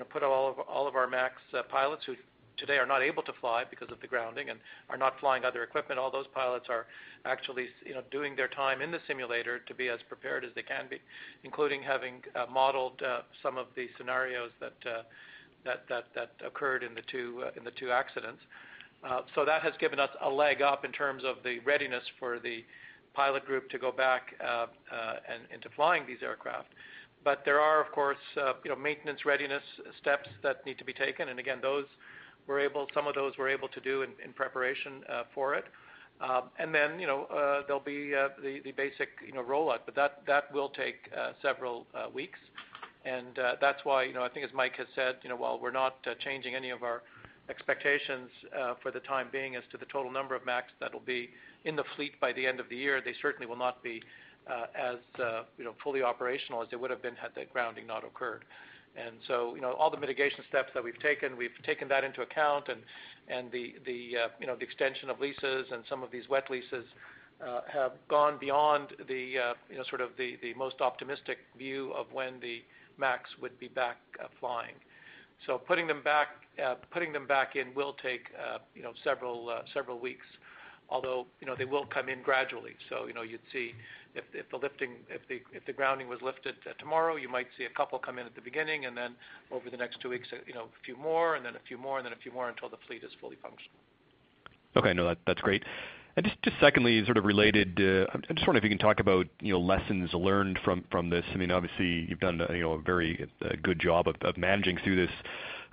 Speaker 3: put all of our MAX pilots who today are not able to fly because of the grounding and are not flying other equipment, all those pilots are actually doing their time in the simulator to be as prepared as they can be, including having modeled some of the scenarios that occurred in the two accidents. That has given us a leg up in terms of the readiness for the pilot group to go back into flying these aircraft. There are, of course, maintenance readiness steps that need to be taken, again, some of those we're able to do in preparation for it. There'll be the basic rollout. That will take several weeks, that's why I think as Mike has said, while we're not changing any of our expectations for the time being as to the total number of MAX that'll be in the fleet by the end of the year, they certainly will not be as fully operational as they would have been had that grounding not occurred. All the mitigation steps that we've taken, we've taken that into account and the extension of leases and some of these wet leases have gone beyond the most optimistic view of when the MAX would be back flying. Putting them back in will take several weeks, although, they will come in gradually. You'd see if the grounding was lifted tomorrow, you might see a couple come in at the beginning, then over the next two weeks, a few more and then a few more and then a few more until the fleet is fully functional.
Speaker 10: Okay. No, that's great. Just secondly, sort of related, I just wonder if you can talk about lessons learned from this. Obviously you've done a very good job of managing through this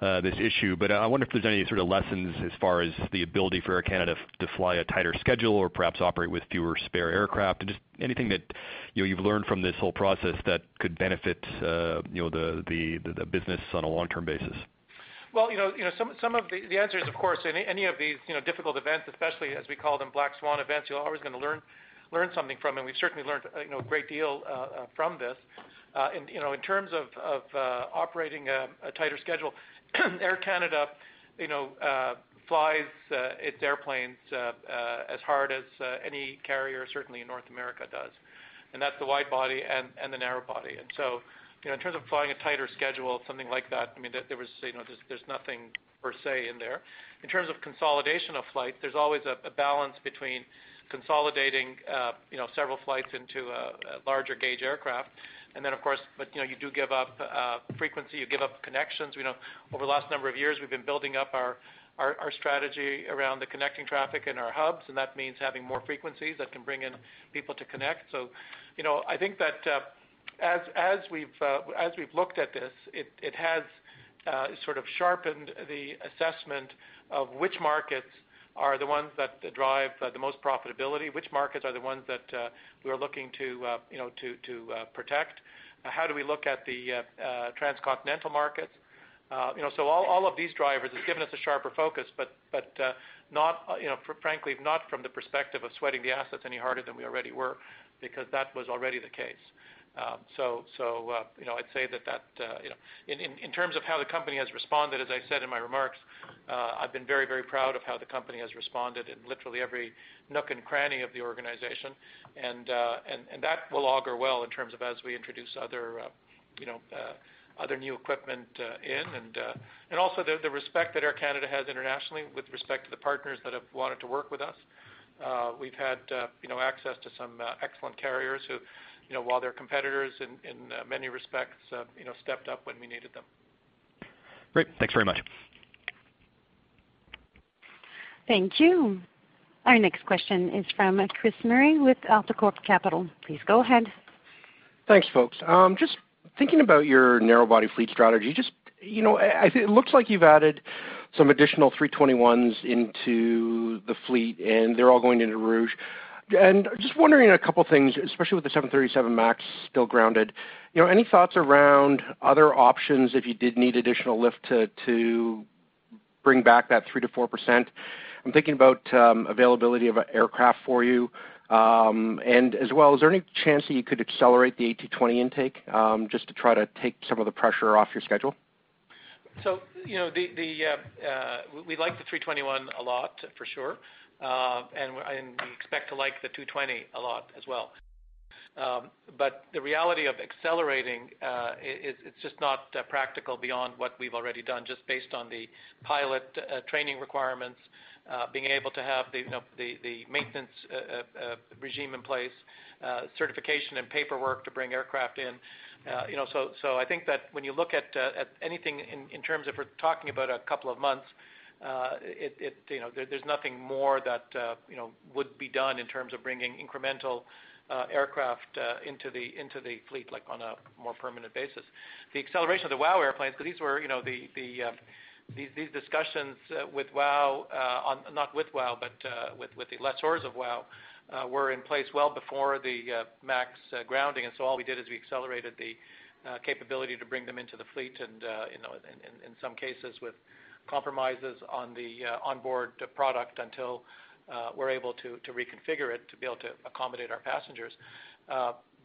Speaker 10: issue, I wonder if there's any sort of lessons as far as the ability for Air Canada to fly a tighter schedule or perhaps operate with fewer spare aircraft. Just anything that you've learned from this whole process that could benefit the business on a long-term basis.
Speaker 3: Some of the answers, of course, any of these difficult events, especially as we call them black swan events, you are always going to learn something from them. We have certainly learned a great deal from this. In terms of operating a tighter schedule, Air Canada flies its airplanes as hard as any carrier, certainly in North America does, and that's the wide body and the narrow body. In terms of flying a tighter schedule, something like that, there's nothing per se in there. In terms of consolidation of flight, there's always a balance between consolidating several flights into a larger gauge aircraft. Of course, you do give up frequency, you give up connections. Over the last number of years, we have been building up our strategy around the connecting traffic in our hubs, and that means having more frequencies that can bring in people to connect. I think that as we have looked at this, it has sort of sharpened the assessment of which markets are the ones that drive the most profitability, which markets are the ones that we are looking to protect. How do we look at the transcontinental markets? All of these drivers have given us a sharper focus, but frankly, not from the perspective of sweating the assets any harder than we already were because that was already the case. I would say that in terms of how the company has responded, as I said in my remarks, I have been very proud of how the company has responded in literally every nook and cranny of the organization. That will augur well in terms of as we introduce other new equipment in. Also the respect that Air Canada has internationally with respect to the partners that have wanted to work with us. We have had access to some excellent carriers who, while they are competitors in many respects, stepped up when we needed them.
Speaker 10: Great. Thanks very much.
Speaker 1: Thank you. Our next question is from Chris Murray with AltaCorp Capital. Please go ahead.
Speaker 11: Thanks, folks. Just thinking about your narrow body fleet strategy. It looks like you've added some additional A321s into the fleet, and they're all going into Rouge. Just wondering a couple things, especially with the 737 MAX still grounded. Any thoughts around other options if you did need additional lift to bring back that 3%-4%? I'm thinking about availability of aircraft for you. As well, is there any chance that you could accelerate the A220 intake just to try to take some of the pressure off your schedule?
Speaker 3: We like the A321 a lot, for sure. We expect to like the A220 a lot as well. The reality of accelerating, it's just not practical beyond what we've already done, just based on the pilot training requirements, being able to have the maintenance regime in place, certification and paperwork to bring aircraft in. I think that when you look at anything in terms of we're talking about a couple of months, there's nothing more that would be done in terms of bringing incremental aircraft into the fleet on a more permanent basis. The acceleration of the WOW airplanes, because these discussions with WOW, not with WOW, but with the lessors of WOW, were in place well before the MAX grounding. All we did is we accelerated the capability to bring them into the fleet and in some cases with compromises on the onboard product until we're able to reconfigure it to be able to accommodate our passengers.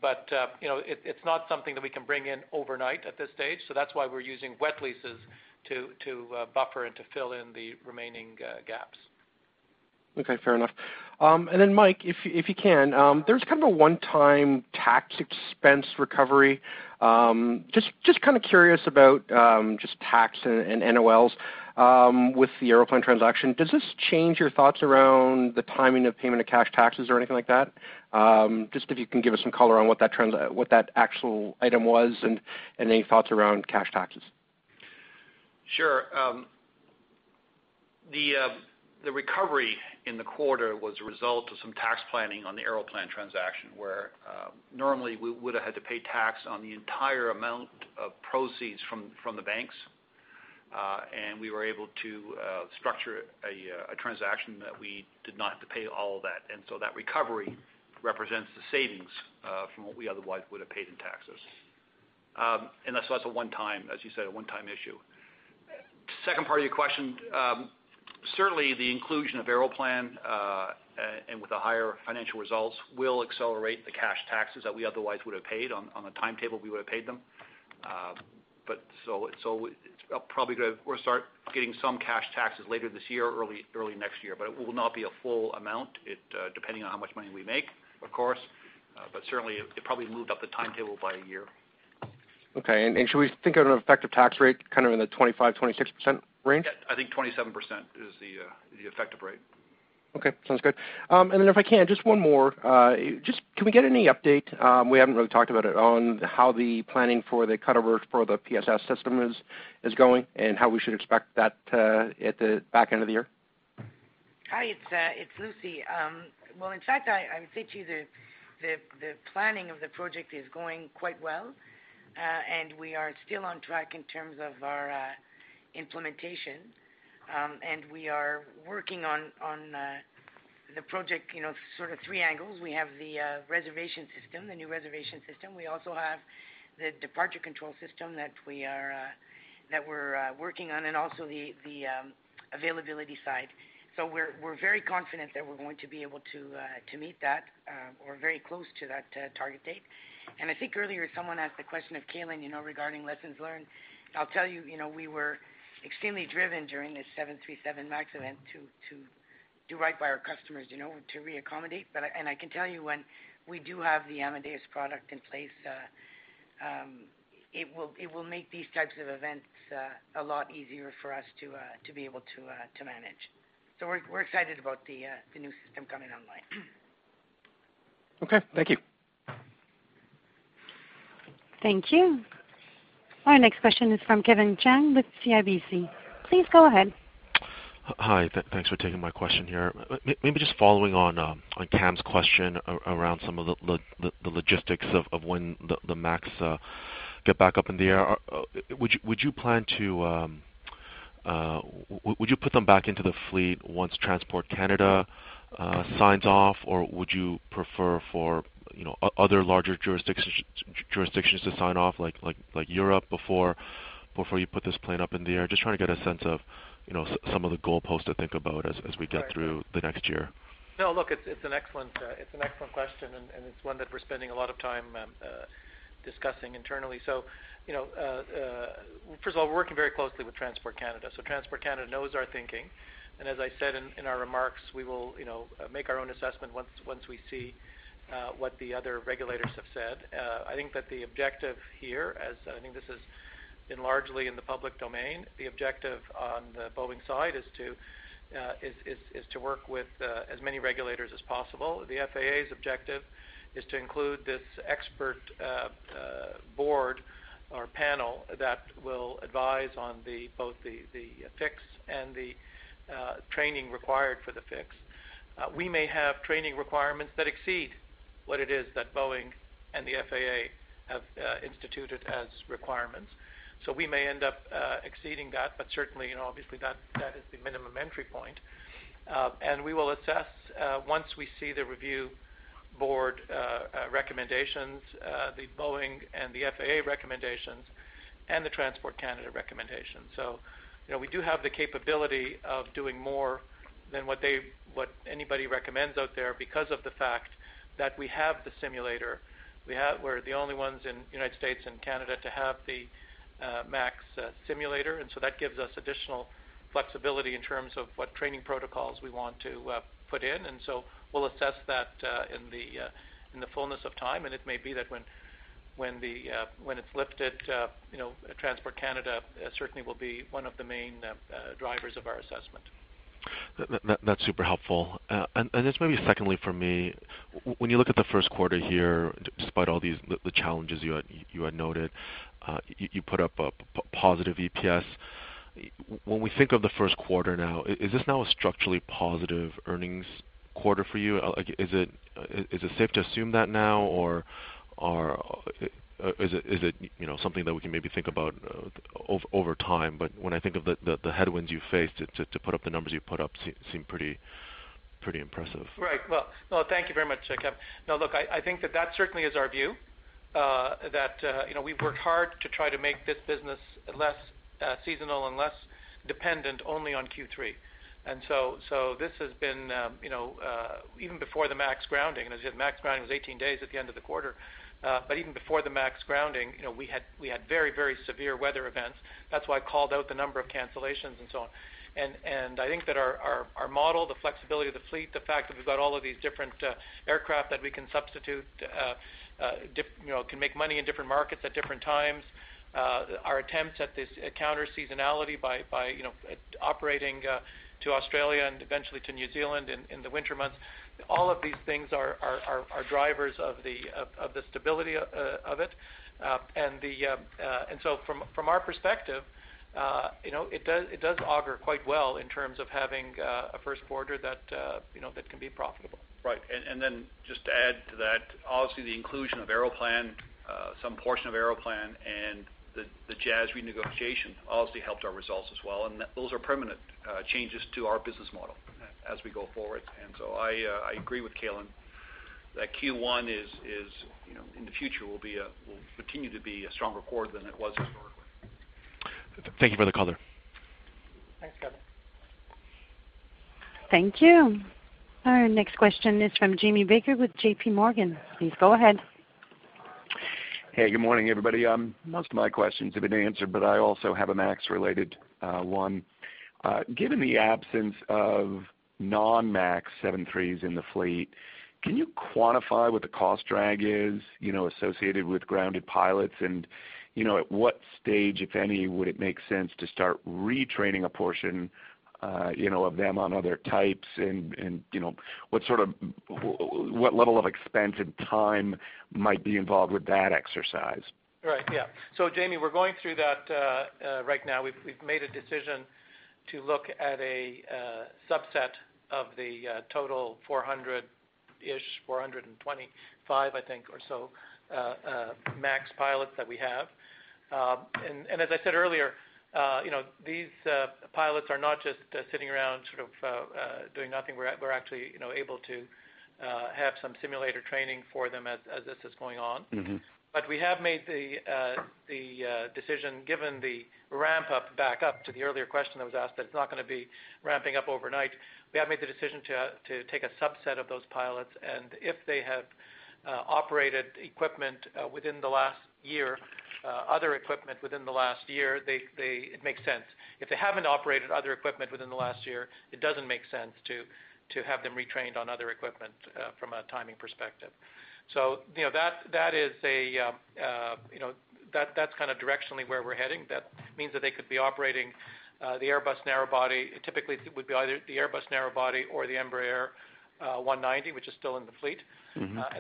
Speaker 3: It's not something that we can bring in overnight at this stage. That's why we're using wet leases to buffer and to fill in the remaining gaps.
Speaker 11: Okay, fair enough. Mike, if you can, there's kind of a one-time tax expense recovery. Just curious about just tax and NOLs with the Aeroplan transaction. Does this change your thoughts around the timing of payment of cash taxes or anything like that? Just if you can give us some color on what that actual item was and any thoughts around cash taxes?
Speaker 5: Sure. The recovery in the quarter was a result of some tax planning on the Aeroplan transaction, where normally we would've had to pay tax on the entire amount of proceeds from the banks. We were able to structure a transaction that we did not have to pay all of that. That recovery represents the savings from what we otherwise would've paid in taxes. That's a one-time, as you said, issue. Second part of your question, certainly the inclusion of Aeroplan, and with the higher financial results will accelerate the cash taxes that we otherwise would've paid on the timetable we would've paid them. It's probably going to start getting some cash taxes later this year or early next year, but it will not be a full amount, depending on how much money we make, of course. Certainly, it probably moved up the timetable by a year.
Speaker 11: Okay. Should we think of an effective tax rate in the 25%-26% range?
Speaker 5: Yeah. I think 27% is the effective rate.
Speaker 11: Okay. Sounds good. If I can, just one more. Can we get any update, we haven't really talked about it, on how the planning for the cutover for the PSS system is going and how we should expect that at the back end of the year?
Speaker 4: Hi, it's Lucie. Well, in fact, I would say to you the planning of the project is going quite well. We are still on track in terms of our implementation. We are working on the project sort of three angles. We have the reservation system, the new reservation system. We also have the departure control system that we're working on and also the availability side. We're very confident that we're going to be able to meet that or very close to that target date. I think earlier someone asked the question of Calin regarding lessons learned. I'll tell you, we were extremely driven during this Boeing 737 MAX event to do right by our customers to re-accommodate. I can tell you when we do have the Amadeus product in place, it will make these types of events a lot easier for us to be able to manage. We're excited about the new system coming online.
Speaker 11: Okay. Thank you.
Speaker 1: Thank you. Our next question is from Kevin Chiang with CIBC. Please go ahead.
Speaker 12: Hi. Thanks for taking my question here. Maybe just following on Cam's question around some of the logistics of when the MAX get back up in the air. Would you put them back into the fleet once Transport Canada signs off or would you prefer for other larger jurisdictions to sign off like Europe before you put this plane up in the air? Just trying to get a sense of some of the goalposts to think about as we get through the next year.
Speaker 3: No, look, it's an excellent question and it's one that we're spending a lot of time discussing internally. First of all, we're working very closely with Transport Canada. Transport Canada knows our thinking. As I said in our remarks, we will make our own assessment once we see what the other regulators have said. I think that the objective here, as I think this has been largely in the public domain, the objective on the Boeing side is to work with as many regulators as possible. The FAA's objective is to include this expert board or panel that will advise on both the fix and the training required for the fix. We may have training requirements that exceed what it is that Boeing and the FAA have instituted as requirements. We may end up exceeding that but certainly, obviously, that is the minimum entry point. We will assess once we see the review board recommendations, the Boeing and the FAA recommendations, and the Transport Canada recommendations. We do have the capability of doing more than what anybody recommends out there because of the fact that we have the simulator. We are the only ones in the U.S. and Canada to have the MAX simulator and that gives us additional flexibility in terms of what training protocols we want to put in. We will assess that in the fullness of time and it may be that when it is lifted Transport Canada certainly will be one of the main drivers of our assessment.
Speaker 12: That is super helpful. This may be secondly for me, when you look at the first quarter here despite all the challenges you had noted, you put up a positive EPS. When we think of the first quarter now, is this now a structurally positive earnings quarter for you? Is it safe to assume that now or is it something that we can maybe think about over time? When I think of the headwinds you faced to put up the numbers you put up seem pretty impressive.
Speaker 3: Right. Well, thank you very much, Kevin. Look, I think that that certainly is our view that we have worked hard to try to make this business less seasonal and less dependent only on Q3. This has been, even before the MAX grounding, and as you said, the MAX grounding was 18 days at the end of the quarter. Even before the MAX grounding, we had very severe weather events. That is why I called out the number of cancellations and so on. I think that our model, the flexibility of the fleet, the fact that we have got all of these different aircraft that we can substitute, can make money in different markets at different times. Our attempts at this counter seasonality by operating to Australia and eventually to New Zealand in the winter months. All of these things are drivers of the stability of it. From our perspective, it does auger quite well in terms of having a first quarter that can be profitable.
Speaker 5: Right. Just to add to that, obviously the inclusion of Aeroplan, some portion of Aeroplan, and the Jazz renegotiation obviously helped our results as well. Those are permanent changes to our business model as we go forward. I agree with Calin that Q1 in the future will continue to be a stronger quarter than it was historically.
Speaker 12: Thank you for the color.
Speaker 3: Thanks, Kevin.
Speaker 1: Thank you. Our next question is from Jamie Baker with JPMorgan. Please go ahead.
Speaker 13: Good morning, everybody. Most of my questions have been answered, I also have a MAX-related one. Given the absence of non-MAX 73s in the fleet, can you quantify what the cost drag is associated with grounded pilots? At what stage, if any, would it make sense to start retraining a portion of them on other types and, what level of expense and time might be involved with that exercise?
Speaker 3: Right. Yeah. Jamie, we're going through that right now. We've made a decision to look at a subset of the total 400-ish, 425, I think, or so, MAX pilots that we have. As I said earlier, these pilots are not just sitting around doing nothing. We're actually able to have some simulator training for them as this is going on. We have made the decision, given the ramp-up back up to the earlier question that was asked, that it's not going to be ramping up overnight. We have made the decision to take a subset of those pilots, if they have operated other equipment within the last year, it makes sense. If they haven't operated other equipment within the last year, it doesn't make sense to have them retrained on other equipment from a timing perspective. That's kind of directionally where we're heading. That means that they could be operating the Airbus narrow body. Typically, it would be either the Airbus narrow body or the Embraer 190, which is still in the fleet.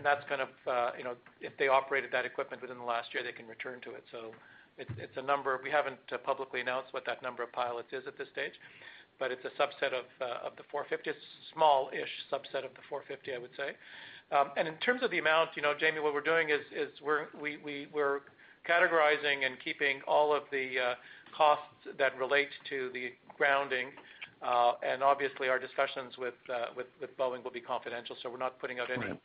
Speaker 3: That's kind of, if they operated that equipment within the last year, they can return to it. It's a number we haven't publicly announced what that number of pilots is at this stage, but it's a subset of the 450. A small-ish subset of the 450, I would say. In terms of the amount, Jamie, what we're doing is we're categorizing and keeping all of the costs that relate to the grounding. Obviously, our discussions with Boeing will be confidential, we're not putting out any-
Speaker 13: Sure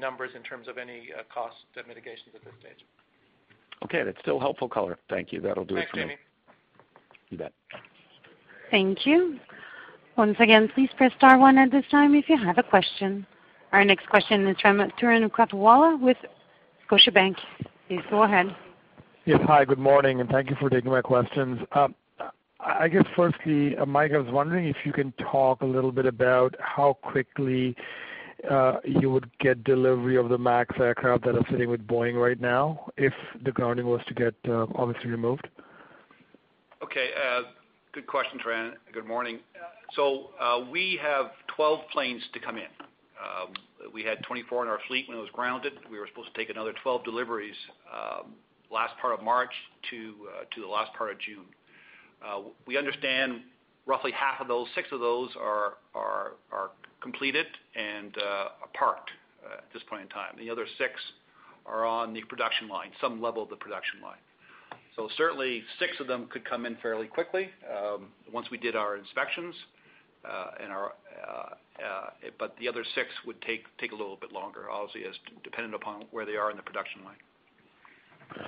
Speaker 3: numbers in terms of any cost mitigations at this stage.
Speaker 13: Okay. That's still helpful color. Thank you. That'll do it for me.
Speaker 3: Thanks, Jamie.
Speaker 13: You bet.
Speaker 1: Thank you. Once again, please press star one at this time if you have a question. Our next question is from Konark Gupta with Scotiabank. Please go ahead.
Speaker 14: Yes. Hi, good morning, and thank you for taking my questions. I guess firstly, Mike, I was wondering if you can talk a little bit about how quickly you would get delivery of the MAX aircraft that are sitting with Boeing right now if the grounding was to get obviously removed.
Speaker 5: Okay. Good question, Konark. Good morning. We have 12 planes to come in. We had 24 in our fleet when it was grounded. We were supposed to take another 12 deliveries last part of March to the last part of June. We understand roughly half of those, 6 of those, are completed and are parked at this point in time. The other 6 are on the production line, some level of the production line. Certainly 6 of them could come in fairly quickly once we did our inspections, but the other 6 would take a little bit longer, obviously, as dependent upon where they are in the production line.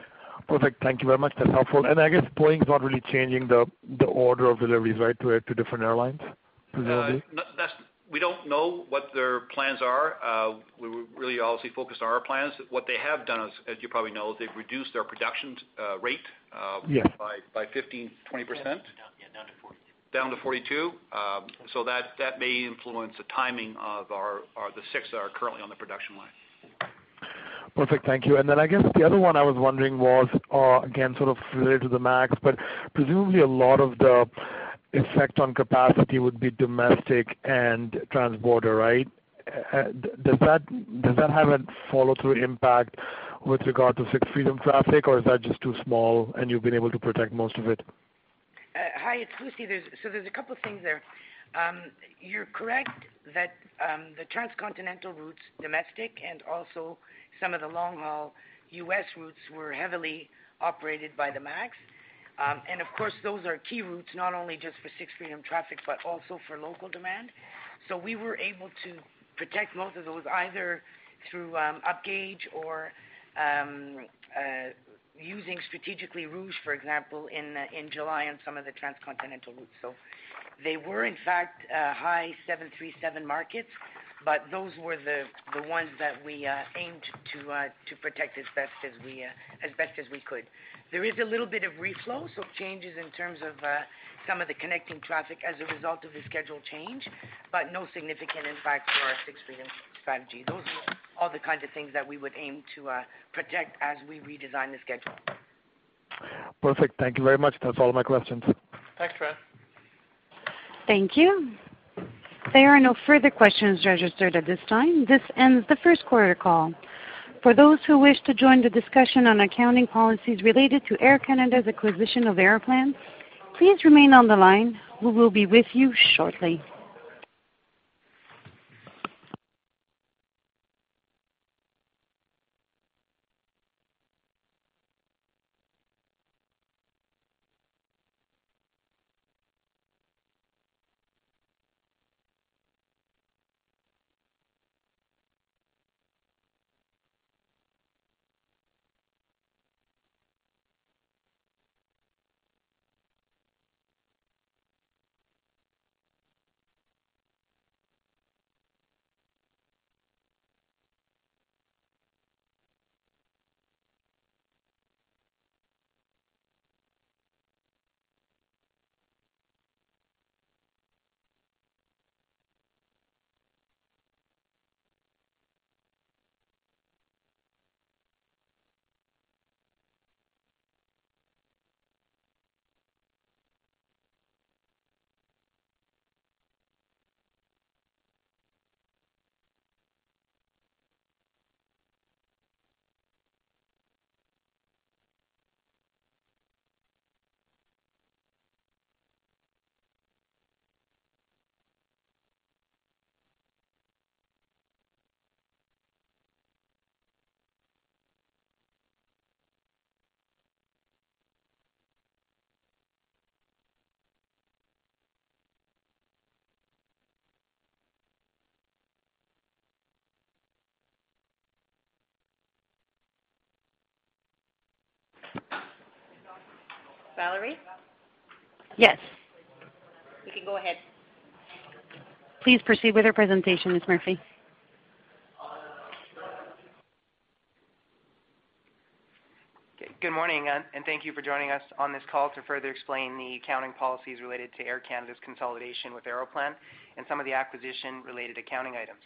Speaker 14: Perfect. Thank you very much. That's helpful. I guess Boeing's not really changing the order of deliveries, right, to different airlines, presumably?
Speaker 5: We don't know what their plans are. We're really obviously focused on our plans. What they have done is, as you probably know, they've reduced their production rate. Yes by 15%, 20%.
Speaker 3: Yeah, down to 42.
Speaker 5: Down to 42. That may influence the timing of the six that are currently on the production line.
Speaker 14: Perfect. Thank you. I guess the other one I was wondering was, again, sort of related to the MAX, but presumably a lot of the effect on capacity would be domestic and transborder, right? Does that have a follow-through impact with regard to Sixth Freedom traffic, or is that just too small and you've been able to protect most of it?
Speaker 4: Hi, it's Lucie. There's a couple things there. You're correct that the transcontinental routes, domestic, and also some of the long-haul U.S. routes were heavily operated by the MAX. Of course, those are key routes not only just for Sixth Freedom traffic, but also for local demand. We were able to protect most of those either through upgauge or using strategically routes, for example, in July on some of the transcontinental routes. They were in fact high Boeing 737 markets, but those were the ones that we aimed to protect as best as we could. There is a little bit of reflow, changes in terms of some of the connecting traffic as a result of the schedule change, but no significant impact for our Sixth Freedom strategy. Those are all the kinds of things that we would aim to protect as we redesign the schedule.
Speaker 14: Perfect. Thank you very much. That's all my questions.
Speaker 3: Thanks, Konark.
Speaker 1: Thank you. There are no further questions registered at this time. This ends the first quarter call. For those who wish to join the discussion on accounting policies related to Air Canada's acquisition of Aeroplan, please remain on the line. We will be with you shortly.
Speaker 2: Valerie?
Speaker 1: Yes.
Speaker 2: You can go ahead.
Speaker 1: Please proceed with your presentation, Ms. Murphy.
Speaker 2: Good morning, and thank you for joining us on this call to further explain the accounting policies related to Air Canada's consolidation with Aeroplan and some of the acquisition-related accounting items.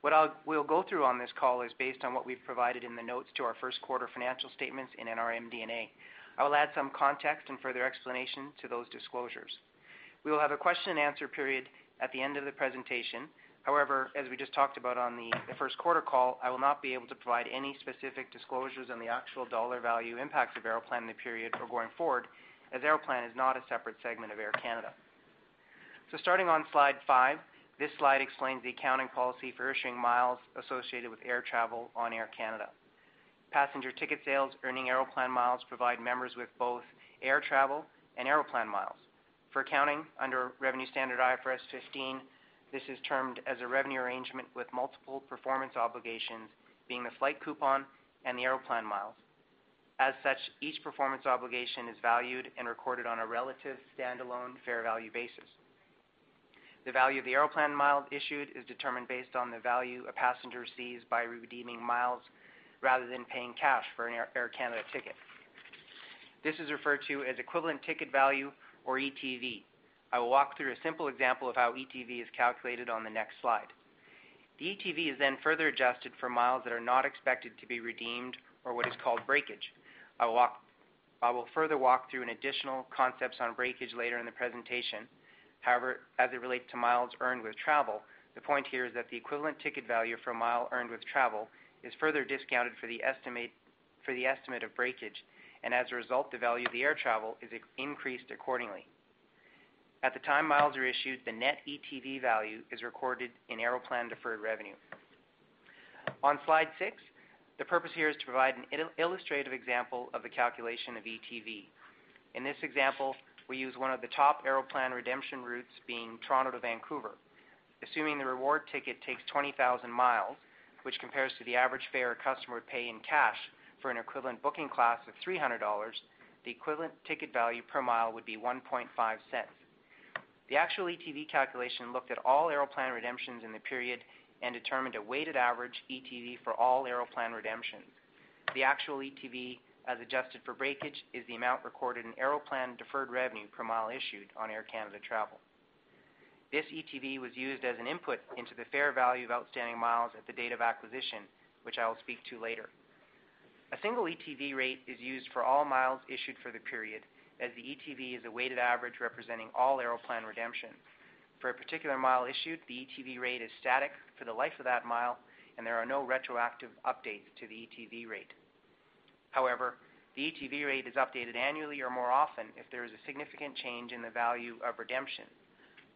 Speaker 2: What we'll go through on this call is based on what we've provided in the notes to our first quarter financial statements in our MD&A. I will add some context and further explanation to those disclosures. We will have a question and answer period at the end of the presentation. As we just talked about on the first quarter call, I will not be able to provide any specific disclosures on the actual dollar value impacts of Aeroplan in the period or going forward, as Aeroplan is not a separate segment of Air Canada. Starting on slide five, this slide explains the accounting policy for issuing miles associated with air travel on Air Canada.
Speaker 15: Passenger ticket sales earning Aeroplan miles provide members with both air travel and Aeroplan miles. For accounting under revenue standard IFRS 15, this is termed as a revenue arrangement with multiple performance obligations being the flight coupon and the Aeroplan miles. As such, each performance obligation is valued and recorded on a relative standalone fair value basis. The value of the Aeroplan miles issued is determined based on the value a passenger receives by redeeming miles rather than paying cash for an Air Canada ticket. This is referred to as equivalent ticket value, or ETV. I will walk through a simple example of how ETV is calculated on the next slide. The ETV is then further adjusted for miles that are not expected to be redeemed or what is called breakage. I will further walk through an additional concepts on breakage later in the presentation. As it relates to miles earned with travel, the point here is that the equivalent ticket value for a mile earned with travel is further discounted for the estimate of breakage, and as a result, the value of the air travel is increased accordingly. At the time miles are issued, the net ETV value is recorded in Aeroplan deferred revenue. On slide six, the purpose here is to provide an illustrative example of the calculation of ETV. In this example, we use one of the top Aeroplan redemption routes being Toronto to Vancouver. Assuming the reward ticket takes 20,000 miles, which compares to the average fare a customer would pay in cash for an equivalent booking class of 300 dollars, the equivalent ticket value per mile would be 0.0150. The actual ETV calculation looked at all Aeroplan redemptions in the period and determined a weighted average ETV for all Aeroplan redemptions. The actual ETV, as adjusted for breakage, is the amount recorded in Aeroplan deferred revenue per mile issued on Air Canada travel. This ETV was used as an input into the fair value of outstanding miles at the date of acquisition, which I will speak to later. A single ETV rate is used for all miles issued for the period, as the ETV is a weighted average representing all Aeroplan redemption. For a particular mile issued, the ETV rate is static for the life of that mile, and there are no retroactive updates to the ETV rate. However, the ETV rate is updated annually or more often if there is a significant change in the value of redemption.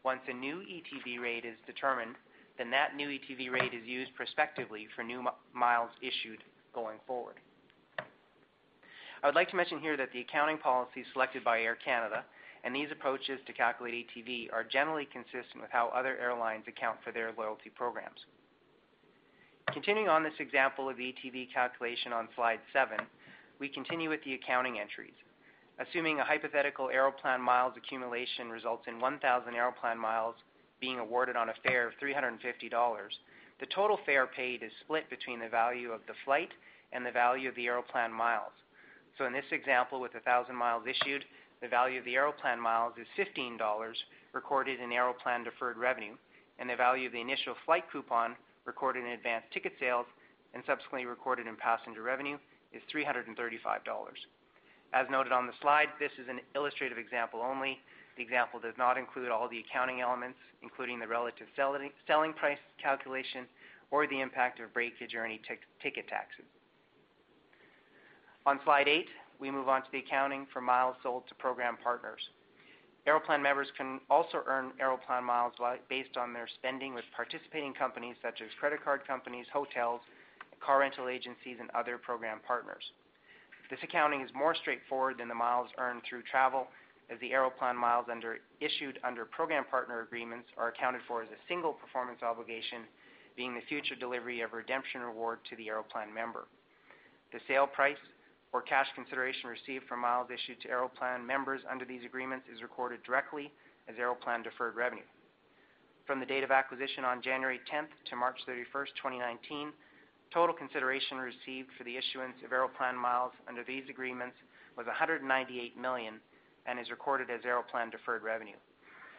Speaker 15: Once a new ETV rate is determined, that new ETV rate is used prospectively for new miles issued going forward. I would like to mention here that the accounting policy selected by Air Canada and these approaches to calculate ETV are generally consistent with how other airlines account for their loyalty programs. Continuing on this example of ETV calculation on slide seven, we continue with the accounting entries. Assuming a hypothetical Aeroplan miles accumulation results in 1,000 Aeroplan miles being awarded on a fare of 350 dollars, the total fare paid is split between the value of the flight and the value of the Aeroplan miles. In this example, with 1,000 miles issued, the value of the Aeroplan miles is 15 dollars recorded in Aeroplan deferred revenue, and the value of the initial flight coupon recorded in advance ticket sales and subsequently recorded in passenger revenue is 335 dollars. As noted on the slide, this is an illustrative example only. The example does not include all the accounting elements, including the relative selling price calculation or the impact of breakage or any ticket taxes. On slide eight, we move on to the accounting for miles sold to program partners. Aeroplan members can also earn Aeroplan miles based on their spending with participating companies such as credit card companies, hotels, car rental agencies, and other program partners. This accounting is more straightforward than the miles earned through travel, as the Aeroplan miles issued under program partner agreements are accounted for as a single performance obligation, being the future delivery of redemption reward to the Aeroplan member. The sale price or cash consideration received from miles issued to Aeroplan members under these agreements is recorded directly as Aeroplan deferred revenue. From the date of acquisition on January 10th to March 31st, 2019, total consideration received for the issuance of Aeroplan miles under these agreements was 198 million and is recorded as Aeroplan deferred revenue.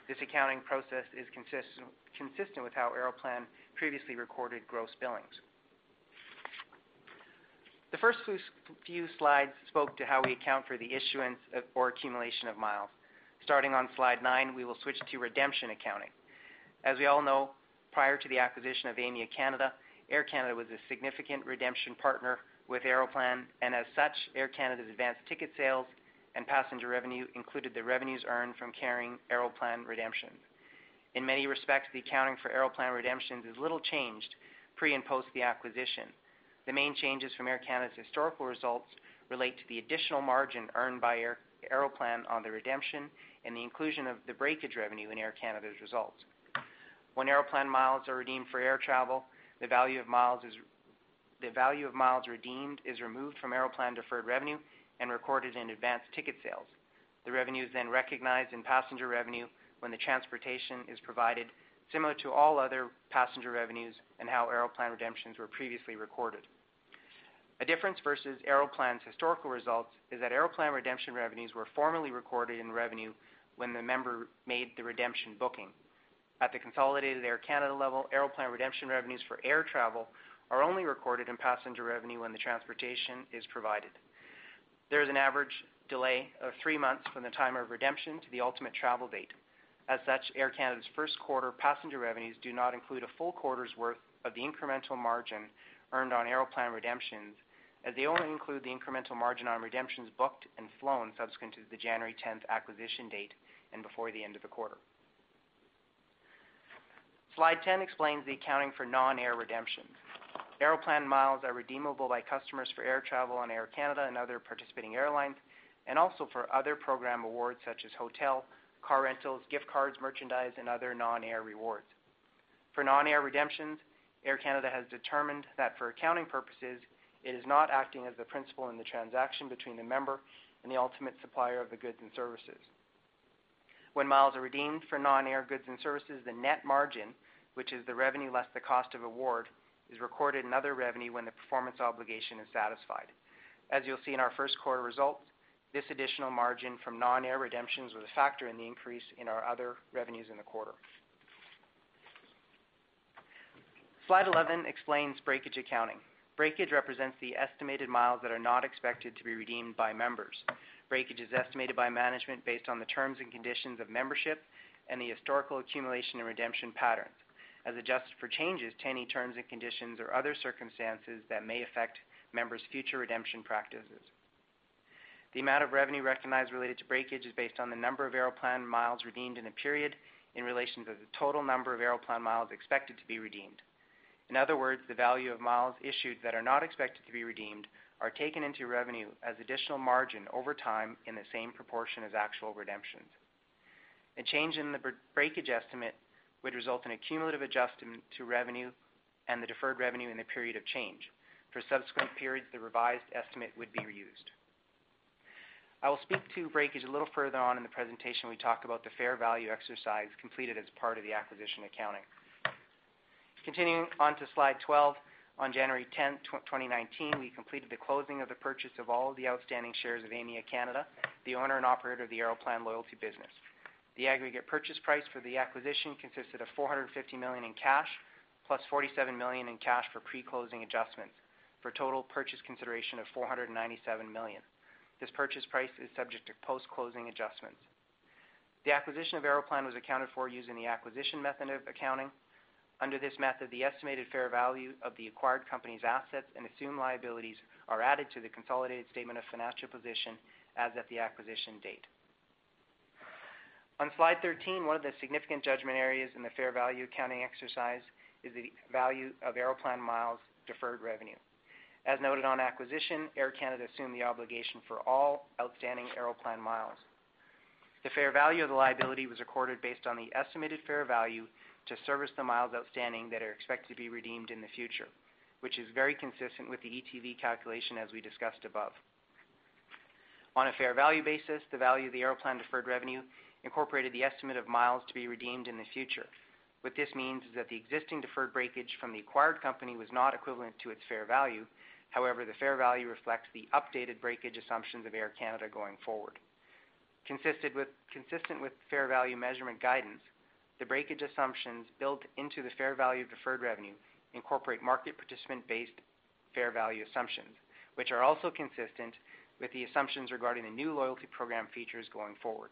Speaker 15: This accounting process is consistent with how Aeroplan previously recorded gross billings. The first few slides spoke to how we account for the issuance or accumulation of miles. Starting on slide nine, we will switch to redemption accounting. As we all know, prior to the acquisition of Aimia Canada, Air Canada was a significant redemption partner with Aeroplan, and as such, Air Canada's advanced ticket sales and passenger revenue included the revenues earned from carrying Aeroplan redemption. In many respects, the accounting for Aeroplan redemptions is little changed pre and post the acquisition. The main changes from Air Canada's historical results relate to the additional margin earned by Aeroplan on the redemption and the inclusion of the breakage revenue in Air Canada's results. When Aeroplan miles are redeemed for air travel, the value of miles redeemed is removed from Aeroplan deferred revenue and recorded in advance ticket sales. The revenue is recognized in passenger revenue when the transportation is provided, similar to all other passenger revenues and how Aeroplan redemptions were previously recorded. A difference versus Aeroplan's historical results is that Aeroplan redemption revenues were formerly recorded in revenue when the member made the redemption booking. At the consolidated Air Canada level, Aeroplan redemption revenues for air travel are only recorded in passenger revenue when the transportation is provided. There is an average delay of three months from the time of redemption to the ultimate travel date. As such, Air Canada's first quarter passenger revenues do not include a full quarter's worth of the incremental margin earned on Aeroplan redemptions, as they only include the incremental margin on redemptions booked and flown subsequent to the January 10th acquisition date and before the end of the quarter. Slide 10 explains the accounting for non-air redemptions. Aeroplan miles are redeemable by customers for air travel on Air Canada and other participating airlines, and also for other program awards such as hotel, car rentals, gift cards, merchandise, and other non-air rewards. For non-air redemptions, Air Canada has determined that for accounting purposes, it is not acting as the principal in the transaction between the member and the ultimate supplier of the goods and services. When miles are redeemed for non-air goods and services, the net margin, which is the revenue less the cost of award, is recorded in other revenue when the performance obligation is satisfied. As you'll see in our first quarter results, this additional margin from non-air redemptions was a factor in the increase in our other revenues in the quarter. Slide 11 explains breakage accounting. Breakage represents the estimated miles that are not expected to be redeemed by members. Breakage is estimated by management based on the terms and conditions of membership and the historical accumulation and redemption patterns, as adjusted for changes to any terms and conditions or other circumstances that may affect members' future redemption practices. The amount of revenue recognized related to breakage is based on the number of Aeroplan miles redeemed in a period in relation to the total number of Aeroplan miles expected to be redeemed. In other words, the value of miles issued that are not expected to be redeemed are taken into revenue as additional margin over time in the same proportion as actual redemptions. A change in the breakage estimate would result in a cumulative adjustment to revenue and the deferred revenue in the period of change. For subsequent periods, the revised estimate would be reused. I will speak to breakage a little further on in the presentation when we talk about the fair value exercise completed as part of the acquisition accounting. Continuing on to Slide 12, on January 10th, 2019, we completed the closing of the purchase of all the outstanding shares of Aimia Canada, the owner and operator of the Aeroplan loyalty business. The aggregate purchase price for the acquisition consisted of 450 million in cash, plus 47 million in cash for pre-closing adjustments, for a total purchase consideration of 497 million. This purchase price is subject to post-closing adjustments. The acquisition of Aeroplan was accounted for using the acquisition method of accounting. Under this method, the estimated fair value of the acquired company's assets and assumed liabilities are added to the consolidated statement of financial position as of the acquisition date. On slide 13, one of the significant judgment areas in the fair value accounting exercise is the value of Aeroplan miles deferred revenue. As noted on acquisition, Air Canada assumed the obligation for all outstanding Aeroplan miles. The fair value of the liability was recorded based on the estimated fair value to service the miles outstanding that are expected to be redeemed in the future, which is very consistent with the ETV calculation as we discussed above. On a fair value basis, the value of the Aeroplan deferred revenue incorporated the estimate of miles to be redeemed in the future. What this means is that the existing deferred breakage from the acquired company was not equivalent to its fair value. However, the fair value reflects the updated breakage assumptions of Air Canada going forward. Consistent with fair value measurement guidance, the breakage assumptions built into the fair value of deferred revenue incorporate market participant-based fair value assumptions, which are also consistent with the assumptions regarding the new loyalty program features going forward.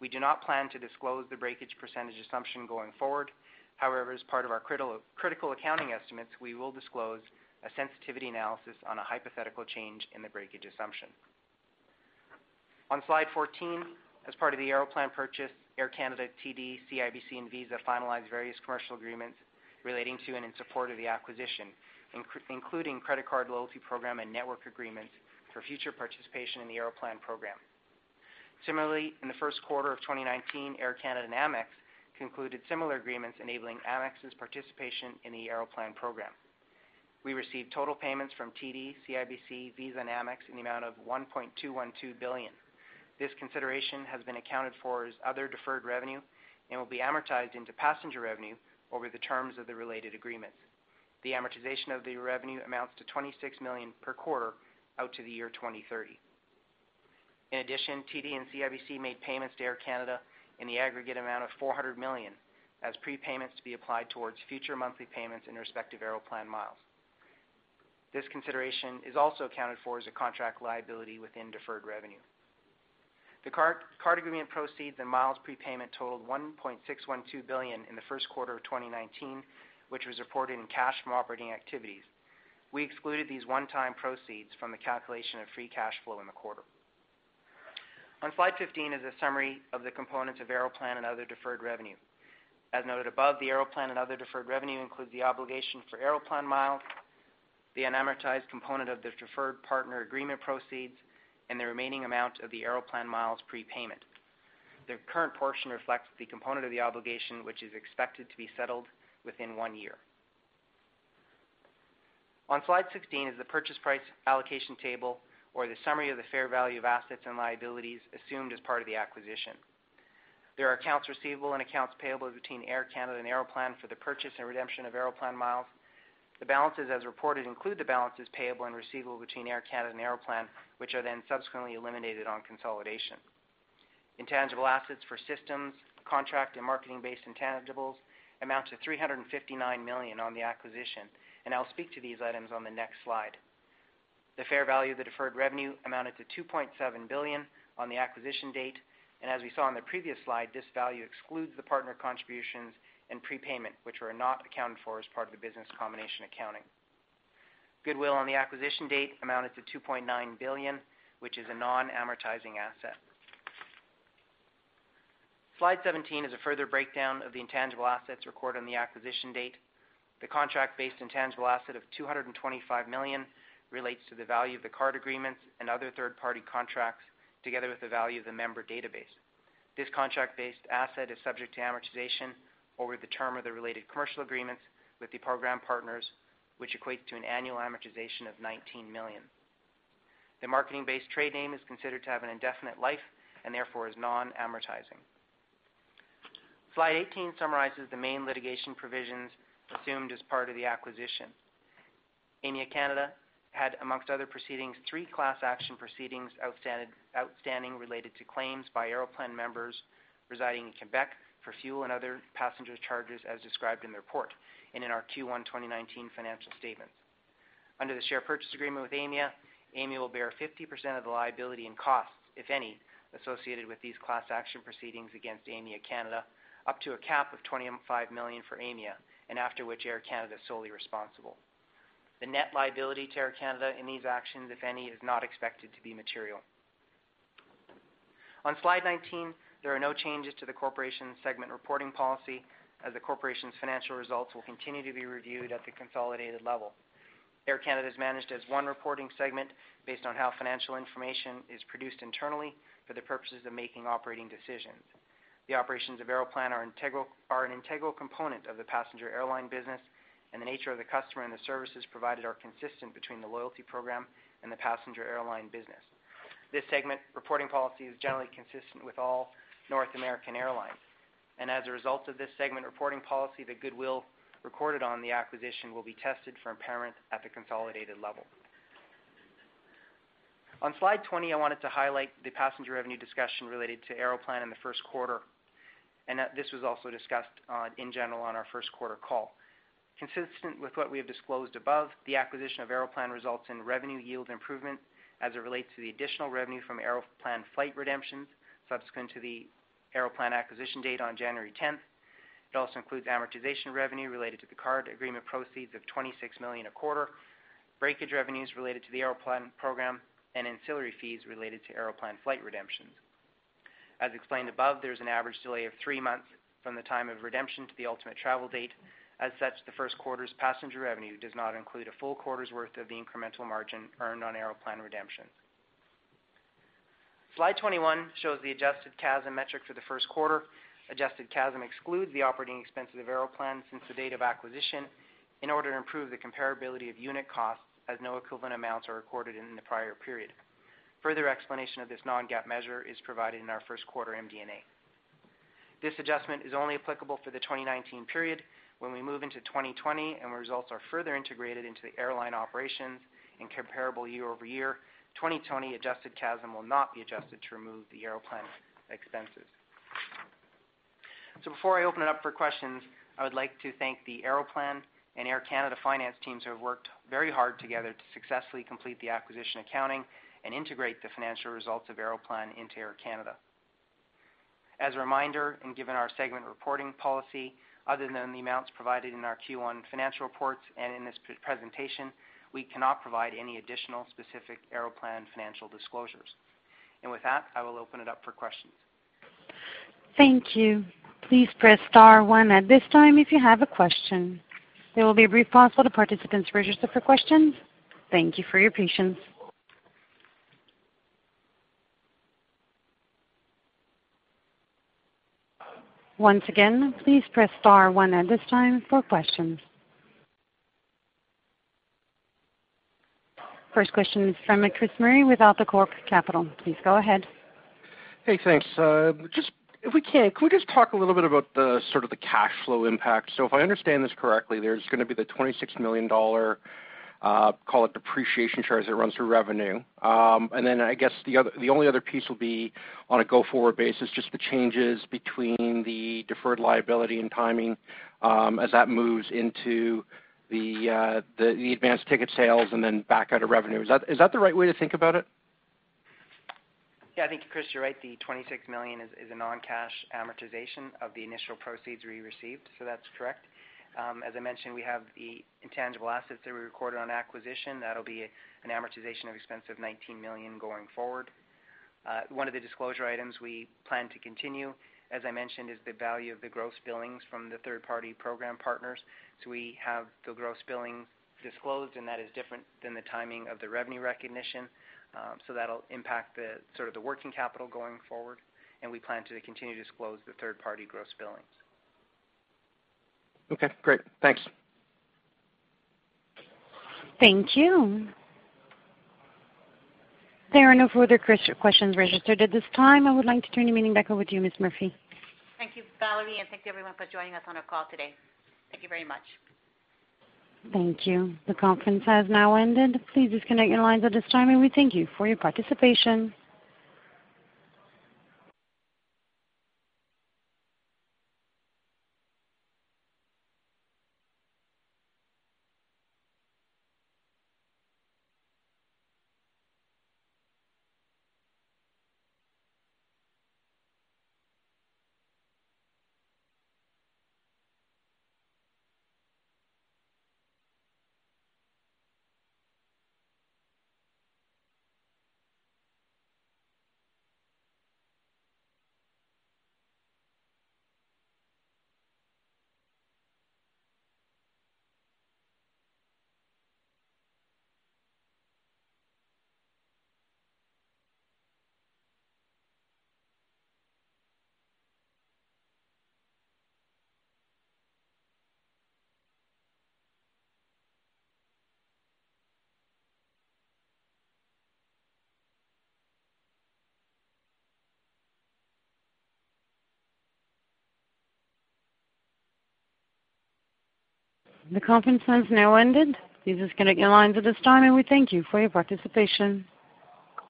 Speaker 15: We do not plan to disclose the breakage percentage assumption going forward. However, as part of our critical accounting estimates, we will disclose a sensitivity analysis on a hypothetical change in the breakage assumption. On slide 14, as part of the Aeroplan purchase, Air Canada, TD, CIBC, and Visa finalized various commercial agreements relating to and in support of the acquisition, including credit card loyalty program and network agreements for future participation in the Aeroplan program. Similarly, in the first quarter of 2019, Air Canada and Amex concluded similar agreements enabling Amex's participation in the Aeroplan program. We received total payments from TD, CIBC, Visa, and Amex in the amount of 1.212 billion. This consideration has been accounted for as other deferred revenue and will be amortized into passenger revenue over the terms of the related agreements. The amortization of the revenue amounts to 26 million per quarter out to the year 2030. In addition, TD and CIBC made payments to Air Canada in the aggregate amount of 400 million as prepayments to be applied towards future monthly payments in respective Aeroplan miles. This consideration is also accounted for as a contract liability within deferred revenue. The card agreement proceeds and miles prepayment totaled 1.612 billion in the first quarter of 2019, which was reported in cash from operating activities. We excluded these one-time proceeds from the calculation of free cash flow in the quarter. On slide 15 is a summary of the components of Aeroplan and other deferred revenue. As noted above, the Aeroplan and other deferred revenue includes the obligation for Aeroplan miles, the unamortized component of the deferred partner agreement proceeds, and the remaining amount of the Aeroplan miles prepayment. The current portion reflects the component of the obligation, which is expected to be settled within one year. On slide 16 is the purchase price allocation table or the summary of the fair value of assets and liabilities assumed as part of the acquisition. There are accounts receivable and accounts payable between Air Canada and Aeroplan for the purchase and redemption of Aeroplan miles. The balances as reported include the balances payable and receivable between Air Canada and Aeroplan, which are then subsequently eliminated on consolidation. Intangible assets for systems, contract, and marketing-based intangibles amounts to 359 million on the acquisition. I'll speak to these items on the next slide. The fair value of the deferred revenue amounted to 2.7 billion on the acquisition date. As we saw on the previous slide, this value excludes the partner contributions and prepayment, which were not accounted for as part of the business combination accounting. Goodwill on the acquisition date amounted to 2.9 billion, which is a non-amortizing asset. Slide 17 is a further breakdown of the intangible assets recorded on the acquisition date. The contract-based intangible asset of 225 million relates to the value of the card agreements and other third-party contracts, together with the value of the member database. This contract-based asset is subject to amortization over the term of the related commercial agreements with the program partners, which equates to an annual amortization of 19 million. The marketing-based trade name is considered to have an indefinite life and therefore is non-amortizing. Slide 18 summarizes the main litigation provisions assumed as part of the acquisition. Aimia Canada had, amongst other proceedings, three class action proceedings outstanding related to claims by Aeroplan members residing in Quebec for fuel and other passenger charges as described in the report and in our Q1 2019 financial statements. Under the share purchase agreement with Aimia will bear 50% of the liability and costs, if any, associated with these class action proceedings against Aimia Canada, up to a cap of 25 million for Aimia. After which Air Canada is solely responsible. The net liability to Air Canada in these actions, if any, is not expected to be material. On slide 19, there are no changes to the corporation segment reporting policy, as the corporation's financial results will continue to be reviewed at the consolidated level. Air Canada is managed as one reporting segment based on how financial information is produced internally for the purposes of making operating decisions. The operations of Aeroplan are an integral component of the passenger airline business. The nature of the customer and the services provided are consistent between the loyalty program and the passenger airline business. This segment reporting policy is generally consistent with all North American airlines. As a result of this segment reporting policy, the goodwill recorded on the acquisition will be tested for impairment at the consolidated level. On slide 20, I wanted to highlight the passenger revenue discussion related to Aeroplan in the first quarter. This was also discussed in general on our first quarter call. Consistent with what we have disclosed above, the acquisition of Aeroplan results in revenue yield improvement as it relates to the additional revenue from Aeroplan flight redemptions subsequent to the Aeroplan acquisition date on January 10th. It also includes amortization revenue related to the card agreement proceeds of 26 million a quarter, breakage revenues related to the Aeroplan program, and ancillary fees related to Aeroplan flight redemptions. As explained above, there's an average delay of three months from the time of redemption to the ultimate travel date. As such, the first quarter's passenger revenue does not include a full quarter's worth of the incremental margin earned on Aeroplan redemption. Slide 21 shows the adjusted CASM metric for the first quarter. Adjusted CASM excludes the operating expense of Aeroplan since the date of acquisition in order to improve the comparability of unit costs, as no equivalent amounts are recorded in the prior period. Further explanation of this non-GAAP measure is provided in our first quarter MD&A. This adjustment is only applicable for the 2019 period. When we move into 2020 and the results are further integrated into the airline operations in comparable year-over-year, 2020 adjusted CASM will not be adjusted to remove the Aeroplan expenses. Before I open it up for questions, I would like to thank the Aeroplan and Air Canada finance teams who have worked very hard together to successfully complete the acquisition accounting and integrate the financial results of Aeroplan into Air Canada. As a reminder, given our segment reporting policy, other than the amounts provided in our Q1 financial reports and in this presentation, we cannot provide any additional specific Aeroplan financial disclosures. With that, I will open it up for questions.
Speaker 1: Thank you. Please press star one at this time if you have a question. There will be a brief pause while the participants register for questions. Thank you for your patience. Once again, please press star one at this time for questions. First question is from Chris Murray with AltaCorp Capital. Please go ahead.
Speaker 11: Hey, thanks. Could we just talk a little bit about the cash flow impact? If I understand this correctly, there's going to be the 26 million dollar, call it depreciation charge that runs through revenue. Then I guess the only other piece will be on a go-forward basis, just the changes between the deferred liability and timing as that moves into the advanced ticket sales and then back out of revenue. Is that the right way to think about it?
Speaker 15: I think, Chris, you're right. The 26 million is a non-cash amortization of the initial proceeds we received. That's correct. As I mentioned, we have the intangible assets that we recorded on acquisition. That'll be an amortization of expense of 19 million going forward. One of the disclosure items we plan to continue, as I mentioned, is the value of the gross billings from the third-party program partners. We have the gross billing disclosed, and that is different than the timing of the revenue recognition. That'll impact the working capital going forward, and we plan to continue to disclose the third-party gross billings.
Speaker 11: Great. Thanks.
Speaker 1: Thank you. There are no further questions registered at this time. I would like to turn the meeting back over to you, Ms. Murphy.
Speaker 2: Thank you, Valerie. Thank you everyone for joining us on our call today. Thank you very much.
Speaker 1: Thank you. The conference has now ended. Please disconnect your lines at this time, and we thank you for your participation. The conference has now ended. Please disconnect your lines at this time, and we thank you for your participation.